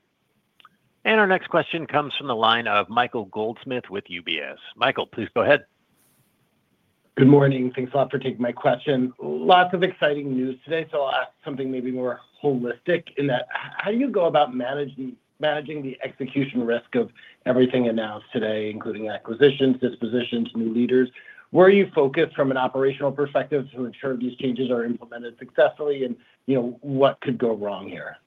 Our next question comes from the line of Michael Goldsmith with UBS. Michael, please go ahead. Good morning. Thanks a lot for taking my question. Lots of exciting news today. I'll ask something maybe more holistic in that. How do you go about managing the execution risk of everything announced today, including acquisitions, dispositions, new leaders? Where are you focused from an operational perspective to ensure these changes are implemented successfully? What could go wrong here?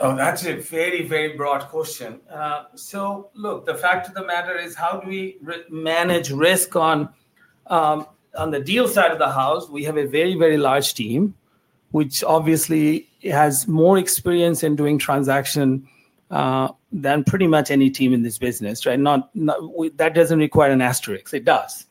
Oh, that's a very, very broad question. The fact of the matter is, how do we manage risk on the deal side of the house? We have a very, very large team, which obviously has more experience in doing transactions than pretty much any team in this business, right? That doesn't require an asterisk. It does.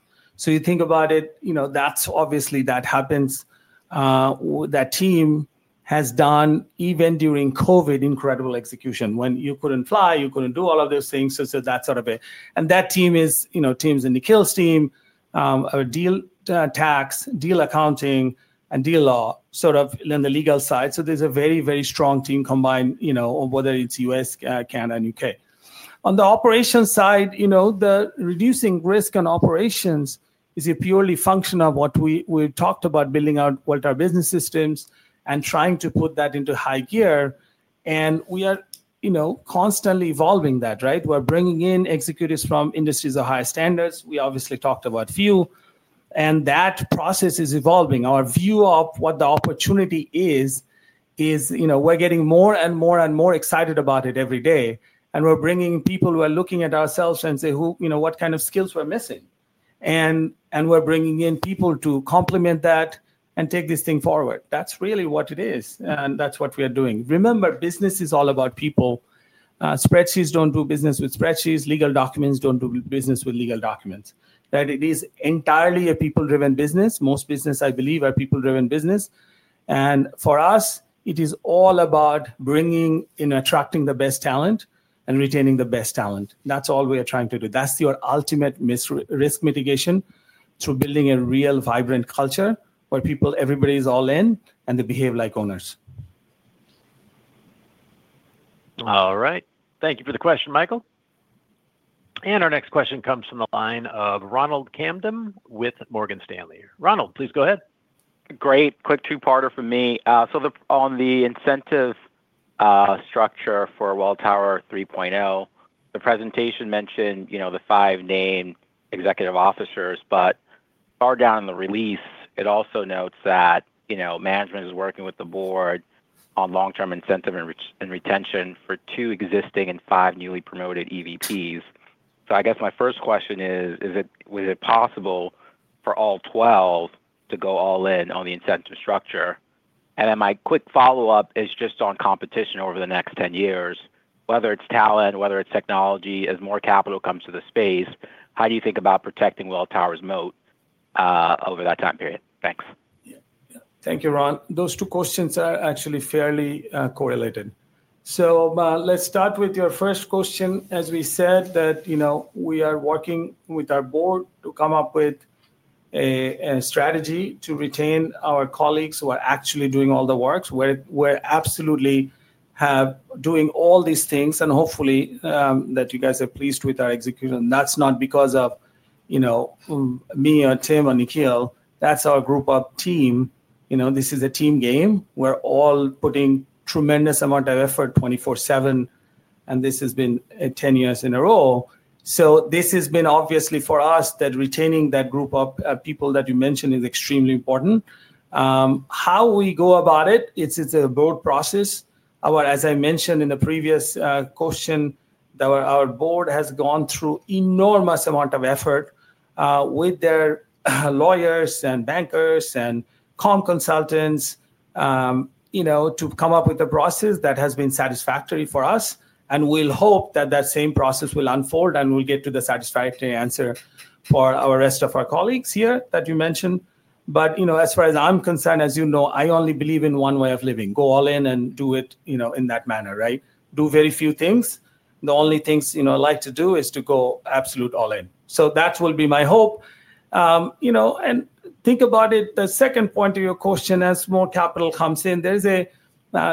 You think about it, that's obviously that happens. That team has done, even during COVID, incredible execution. When you couldn't fly, you couldn't do all of those things. That's sort of it. That team is Tim's and Nikhil's team, our deal tax, deal accounting, and deal law, sort of on the legal side. There's a very, very strong team combined, whether it's U.S., Canada, and U.K. On the operations side, reducing risk in operations is a purely function of what we talked about, building out Welltower Business System and trying to put that into high gear. We are constantly evolving that, right? We're bringing in executives from industries of higher standards. We obviously talked about a few. That process is evolving. Our view of what the opportunity is, we're getting more and more and more excited about it every day. We're bringing people who are looking at ourselves and say, what kind of skills we're missing? We're bringing in people to complement that and take this thing forward. That's really what it is. That's what we are doing. Remember, business is all about people. Spreadsheets don't do business with spreadsheets. Legal documents don't do business with legal documents. It is entirely a people-driven business. Most businesses, I believe, are a people-driven business. For us, it is all about bringing in and attracting the best talent and retaining the best talent. That's all we are trying to do. That's your ultimate risk mitigation through building a real, vibrant culture where everybody is all in and they behave like owners. All right. Thank you for the question, Michael. Our next question comes from the line of Ronald Kamdem with Morgan Stanley. Ronald, please go ahead. Great. Quick two-parter from me. On the incentive structure for Welltower 3.0, the presentation mentioned the five named executive officers. Far down in the release, it also notes that management is working with the board on long-term incentive and retention for two existing and five newly promoted EVPs. My first question is, was it possible for all 12 to go all in on the incentive structure? My quick follow-up is just on competition over the next 10 years, whether it's talent or technology. As more capital comes to the space, how do you think about protecting Welltower's moat over that time period? Thanks. Yeah. Thank you, Ron. Those two questions are actually fairly correlated. Let's start with your first question. As we said, we are working with our board to come up with a strategy to retain our colleagues who are actually doing all the work. We absolutely are doing all these things. Hopefully, you guys are pleased with our execution. That's not because of me or Tim or Nikhil. That's our group of team. This is a team game. We're all putting a tremendous amount of effort 24/7. This has been 10 years in a row. This has been obviously for us that retaining that group of people that you mentioned is extremely important. How we go about it, it's a broad process. As I mentioned in the previous question, our board has gone through an enormous amount of effort with their lawyers and bankers and comp consultants to come up with a process that has been satisfactory for us. We'll hope that that same process will unfold and we'll get to the satisfactory answer for the rest of our colleagues here that you mentioned. As far as I'm concerned, as you know, I only believe in one way of living. Go all in and do it in that manner, right? Do very few things. The only thing I like to do is to go absolute all in. That will be my hope. Think about it, the second point of your question, as more capital comes in, there's a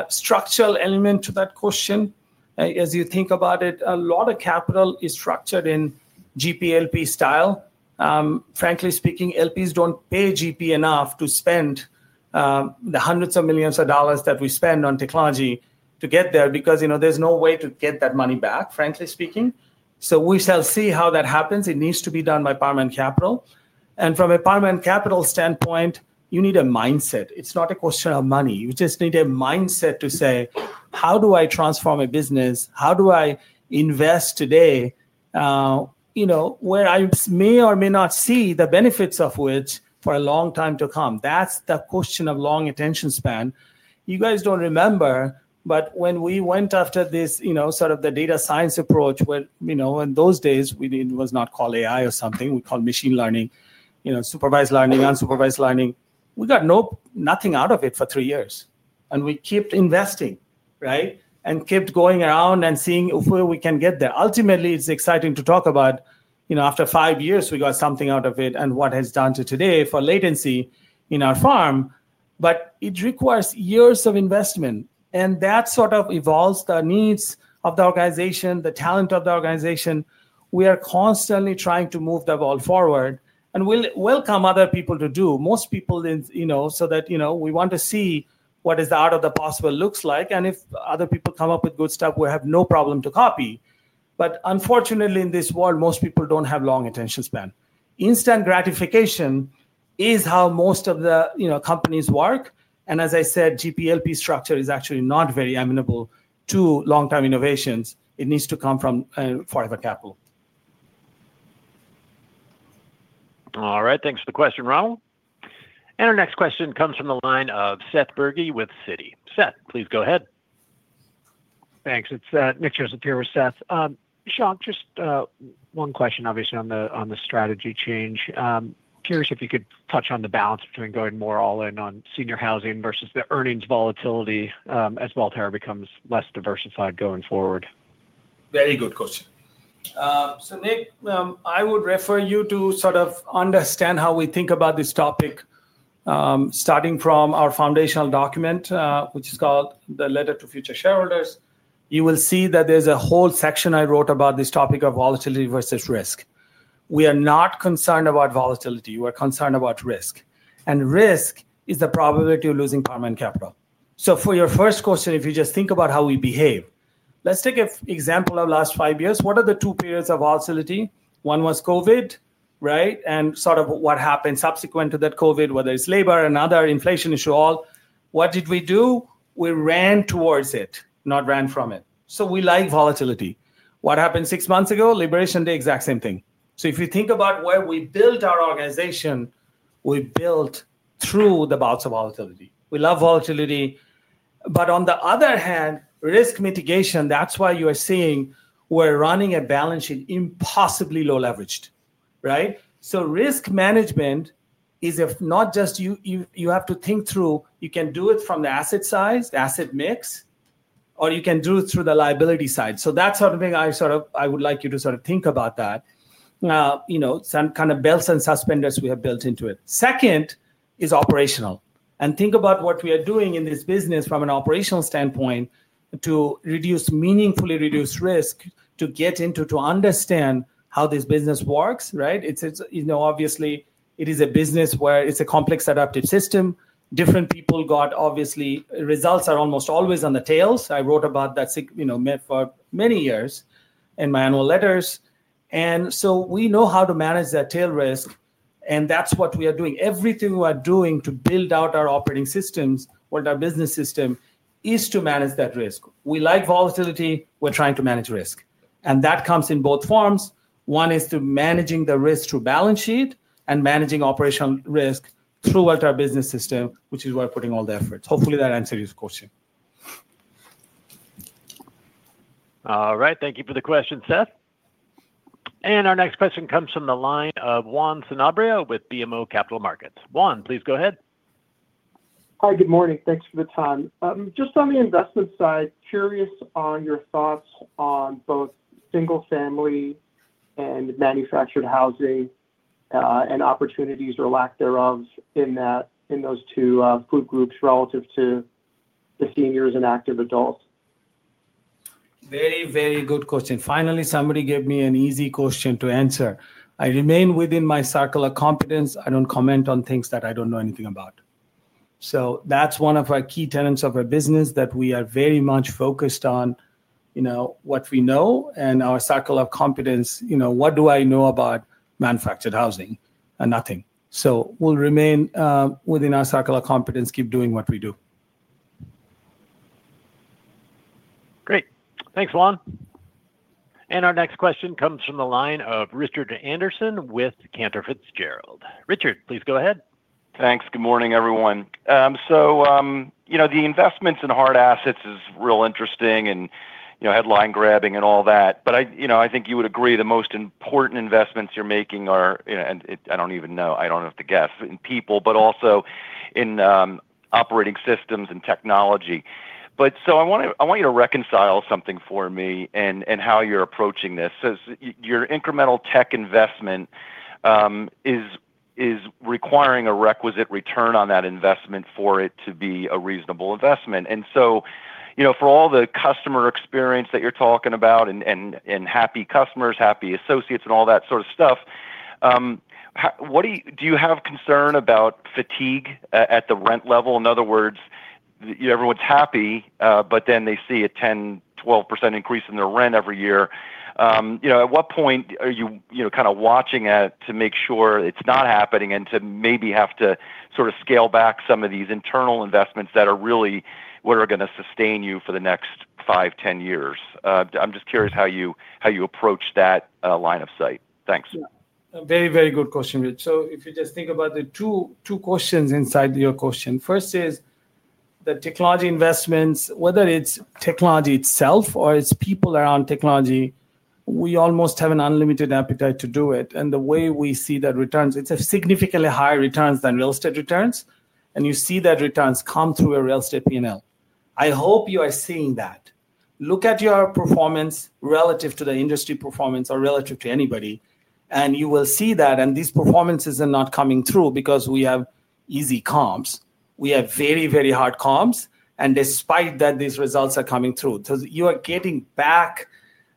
structural element to that question. As you think about it, a lot of capital is structured in GP/LP style. Frankly speaking, LPs don't pay GP enough to spend the hundreds of millions of dollars that we spend on technology to get there, because there's no way to get that money back, frankly speaking. We shall see how that happens. It needs to be done by Paramount Capital. From a Paramount Capital standpoint, you need a mindset. It's not a question of money. You just need a mindset to say, how do I transform a business? How do I invest today where I may or may not see the benefits of which for a long time to come? That's the question of long attention span. You guys don't remember, but when we went after this, sort of the data science approach, where in those days, it was not called AI or something. We called it machine learning, supervised learning, unsupervised learning. We got nothing out of it for three years. We kept investing, right? Kept going around and seeing if we can get there. Ultimately, it's exciting to talk about after five years, we got something out of it and what it has done to today for latency in our farm. It requires years of investment. That sort of evolves the needs of the organization, the talent of the organization. We are constantly trying to move the ball forward. We'll welcome other people to do, most people, so that we want to see what the art of the possible looks like. If other people come up with good stuff, we have no problem to copy. Unfortunately, in this world, most people don't have long attention span. Instant gratification is how most of the companies work. As I said, GP/LP structure is actually not very amenable to long-term innovations. It needs to come from forever capital. All right. Thanks for the question, Ronald. Our next question comes from the line of Seth Berge with Citi. Seth, please go ahead. Thanks. It's Nick. Shawn, just one question, obviously, on the strategy change. Curious if you could touch on the balance between going more all in on seniors housing versus the earnings volatility as Welltower becomes less diversified going forward. Very good question. Nick, I would refer you to sort of understand how we think about this topic, starting from our foundational document, which is called the Letter to Future Shareholders. You will see that there's a whole section I wrote about this topic of volatility versus risk. We are not concerned about volatility. We're concerned about risk. Risk is the probability of losing Paramount Capital. For your first question, if you just think about how we behave, let's take an example of the last five years. What are the two periods of volatility? One was COVID, right? And sort of what happened subsequent to that COVID, whether it's labor or another inflation issue, all. What did we do? We ran towards it, not ran from it. We like volatility. What happened six months ago? Liberation Day, exact same thing. If you think about where we built our organization, we built through the bouts of volatility. We love volatility. On the other hand, risk mitigation, that's why you are seeing we're running a balance sheet impossibly low leveraged, right? Risk management is not just you have to think through. You can do it from the asset side, the asset mix, or you can do it through the liability side. That's something I would like you to sort of think about, some kind of belts and suspenders we have built into it. Second is operational. Think about what we are doing in this business from an operational standpoint to meaningfully reduce risk to get into to understand how this business works, right? Obviously, it is a business where it's a complex adaptive system. Different people got obviously results are almost always on the tails. I wrote about that for many years in my annual letters. We know how to manage that tail risk. That's what we are doing. Everything we are doing to build out our operating systems, Welltower Business System, is to manage that risk. We like volatility. We're trying to manage risk. That comes in both forms. One is to manage the risk through balance sheet and managing operational risk through Welltower Business System, which is where we're putting all the efforts. Hopefully, that answered your question. All right. Thank you for the question, Seth. Our next question comes from the line of Juan Sanabria with BMO Capital Markets. Juan, please go ahead. Hi. Good morning. Thanks for the time. Just on the investment side, curious on your thoughts on both single-family and manufactured housing and opportunities or lack thereof in those two food groups relative to the seniors and active adults. Very, very good question. Finally, somebody gave me an easy question to answer. I remain within my circle of competence. I don't comment on things that I don't know anything about. That's one of our key tenets of our business that we are very much focused on, you know, what we know and our circle of competence. You know, what do I know about manufactured housing? Nothing. We'll remain within our circle of competence, keep doing what we do. Great. Thanks, Juan. Our next question comes from the line of Richard Anderson with Cantor Fitzgerald. Richard, please go ahead. Thanks. Good morning, everyone. The investments in hard assets are real interesting and headline-grabbing and all that. I think you would agree the most important investments you're making are, I don't even know, I don't have to guess, in people, but also in operating systems and technology. I want you to reconcile something for me and how you're approaching this. Your incremental tech investment is requiring a requisite return on that investment for it to be a reasonable investment. For all the customer experience that you're talking about and happy customers, happy associates, and all that sort of stuff, do you have concern about fatigue at the rent level? In other words, everyone's happy, but then they see a 10%, 12% increase in their rent every year. At what point are you kind of watching it to make sure it's not happening and to maybe have to sort of scale back some of these internal investments that are really what are going to sustain you for the next 5, 10 years? I'm just curious how you approach that line of sight. Thanks. Yeah. Very, very good question, Rich. If you just think about the two questions inside your question, first is the technology investments, whether it's technology itself or it's people around technology, we almost have an unlimited appetite to do it. The way we see that returns, it's a significantly higher return than real estate returns. You see that returns come through a real estate P&L. I hope you are seeing that. Look at your performance relative to the industry performance or relative to anybody, and you will see that. These performances are not coming through because we have easy comps. We have very, very hard comps. Despite that, these results are coming through. You are getting back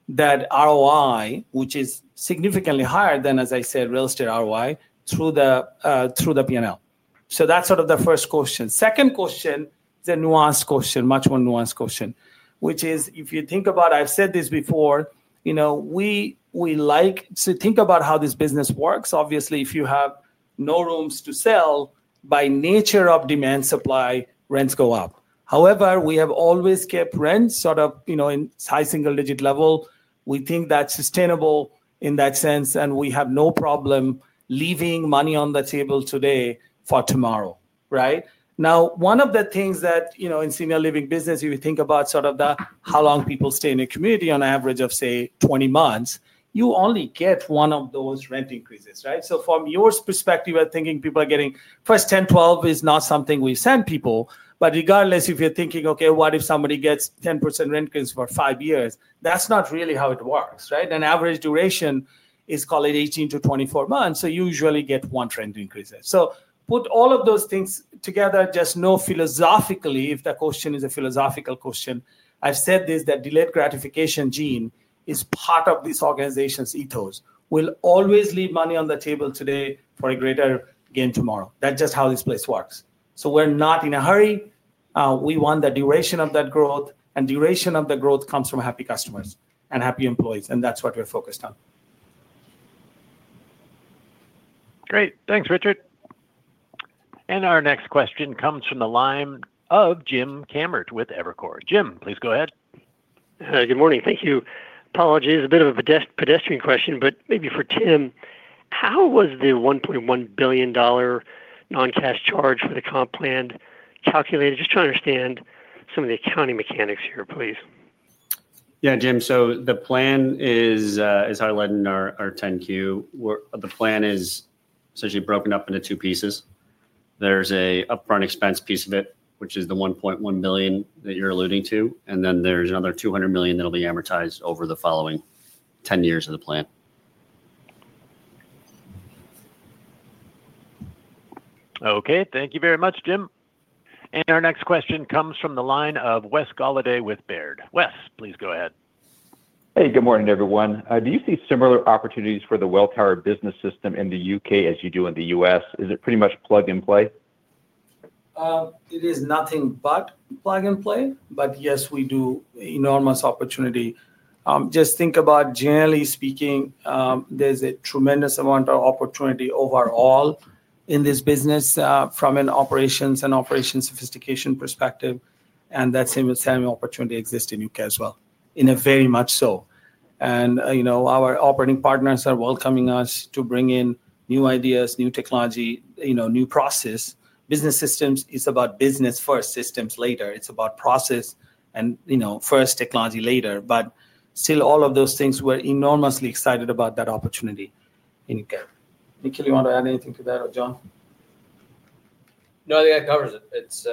that ROI, which is significantly higher than, as I said, real estate ROI through the P&L. That's sort of the first question. Second question is a nuanced question, much more nuanced question, which is if you think about, I've said this before, you know we like to think about how this business works. Obviously, if you have no rooms to sell, by nature of demand supply, rents go up. However, we have always kept rents sort of in high single-digit level. We think that's sustainable in that sense. We have no problem leaving money on the table today for tomorrow, right? One of the things that in senior living business, if you think about sort of how long people stay in a community on average of, say, 20 months, you only get one of those rent increases, right? From your perspective, I'm thinking people are getting the first 10%, 12% is not something we send people. Regardless, if you're thinking, OK, what if somebody gets 10% rent increase for five years? That's not really how it works, right? An average duration is, call it, 18 months-24 months. You usually get one rent increase. Put all of those things together, just know philosophically if the question is a philosophical question. I've said this, that delayed gratification gene is part of this organization's ethos. We'll always leave money on the table today for a greater gain tomorrow. That's just how this place works. We're not in a hurry. We want the duration of that growth. Duration of the growth comes from happy customers and happy employees. That's what we're focused on. Great. Thanks, Richard. Our next question comes from the line of Jim Kammert with Evercore. Jim, please go ahead. Good morning. Thank you. Apologies. A bit of a pedestrian question, but maybe for Tim. How was the $1.1 billion non-cash charge for the comp plan calculated? Just trying to understand some of the accounting mechanics here, please. Yeah, Jim. The plan is, as I read in our 10-Q, essentially broken up into two pieces. There's an upfront expense piece of it, which is the $1.1 billion that you're alluding to. There's another $200 million that will be amortized over the following 10 years of the plan. OK. Thank you very much, Jim. Our next question comes from the line of Wes Golladay with Baird. Wes, please go ahead. Hey, good morning, everyone. Do you see similar opportunities for the Welltower Business System in the U.K. as you do in the U.S.? Is it pretty much plug and play? It is nothing but plug and play. Yes, we do enormous opportunity. Just think about, generally speaking, there's a tremendous amount of opportunity overall in this business from an operations and operations sophistication point. Active, That's an exciting opportunity that exists in the U.K. as well, very much so. Our operating partners are welcoming us to bring in new ideas, new technology, new processes. Business systems is about business first, systems later. It's about process and first, technology later. Still, all of those things, we're enormously excited about that opportunity in the U.K. Nikhil, you want to add anything to that or John? No, I think that covers it. It's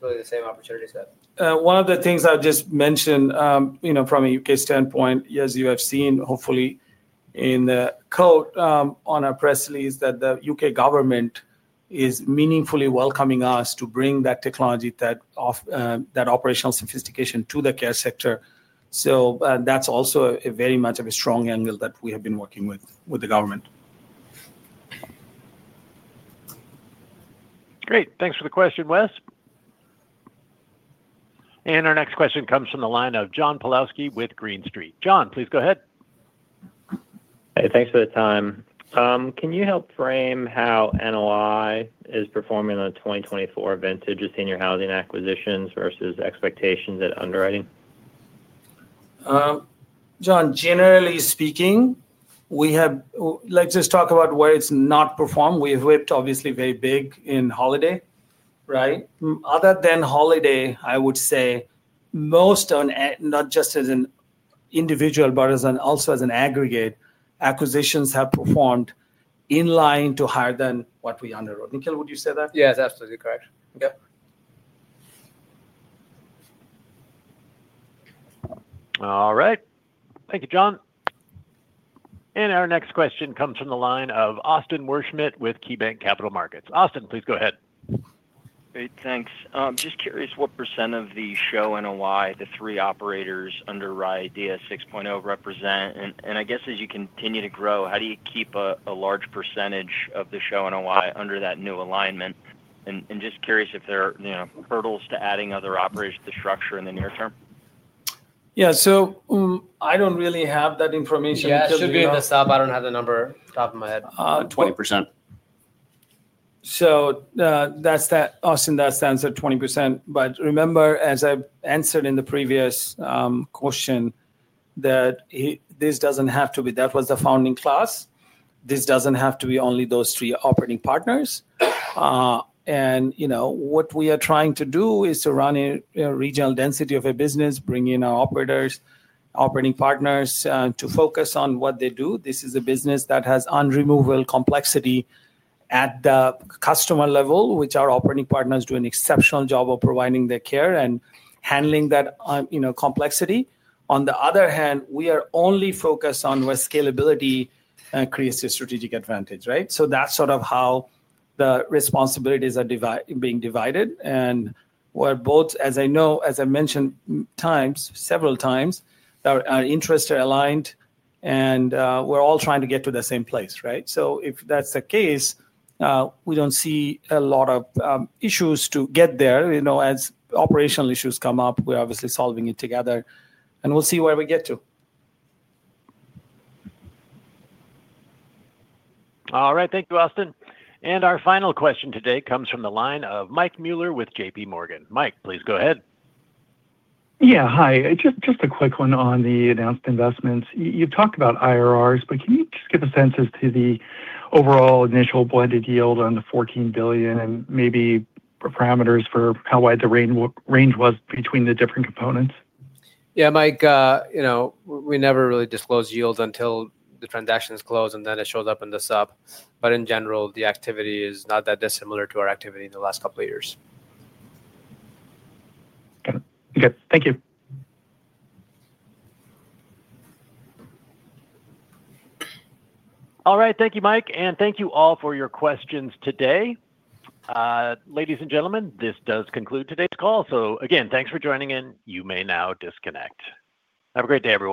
really the same opportunities. One of the things I've just mentioned, you know, from a UK standpoint, as you have seen hopefully in the quote on our press release, the UK government is meaningfully welcoming us to bring that technology, that operational sophistication to the care sector. That's also a very much of a strong angle that we have been working with the government. Great, thanks for the question, Wes. Our next question comes from the line of John Kilichowski with Green Street. John, please go ahead. Hey, thanks for the time. Can you help frame how NOI is performing on the 2024 vintage of seniors housing acquisitions versus expectations at underwriting? John, generally speaking, we have, let's just talk about where it's not performed. We've, obviously, very big in Holiday, right? Other than Holiday, I would say most, not just as an individual, but also as an aggregate, acquisitions have performed in line to higher than what we underwrote. Nikhil, would you say that? Yeah, that's absolutely correct. All right, thank you, John. Our next question comes from the line of Austin Wurschmidt with KeyBanc Capital Markets. Austin, please go ahead. Great, thanks. I'm just curious what percentage of the seniors housing operating portfolio NOI the three operators under RIDIA 6.0 represent, and I guess as you continue to grow, how do you keep a large percentage of the seniors housing operating portfolio NOI under that new alignment? I'm just curious if there are hurdles to adding other operators to the structure in the near term? Yeah, I don't really have that information. Yeah, it should be in the SOP. I don't have the number off the top of my head. 20%. That's that. Austin, that's the answer, 20%. Remember, as I've answered in the previous question, this doesn't have to be, that was the founding class. This doesn't have to be only those three operating partners. You know what we are trying to do is to run a regional density of a business, bring in our operators, operating partners to focus on what they do. This is a business that has unremovable complexity at the customer level, which our operating partners do an exceptional job of providing their care and handling that complexity. On the other hand, we are only focused on where scalability creates a strategic advantage, right? That's sort of how the responsibilities are being divided. We're both, as I know, as I mentioned several times, our interests are aligned and we're all trying to get to the same place, right? If that's the case, we don't see a lot of issues to get there. As operational issues come up, we're obviously solving it together. We'll see where we get to. All right, thank you, Austin. Our final question today comes from the line of Mike Mueller with JPMorgan. Mike, please go ahead. Yeah, hi. Just a quick one on the announced investments. You've talked about IRRs, but can you just give a sense as to the overall initial blended yield on the $14 billion and maybe parameters for how wide the range was between the different components? Yeah, Mike, you know, we never really disclose yields until the transactions close, and then it shows up in the SOP. In general, the activity is not that dissimilar to our activity in the last couple of years. Okay, thank you. All right, thank you, Mike, and thank you all for your questions today. Ladies and gentlemen, this does conclude today's call. Again, thanks for joining in. You may now disconnect. Have a great day everyone.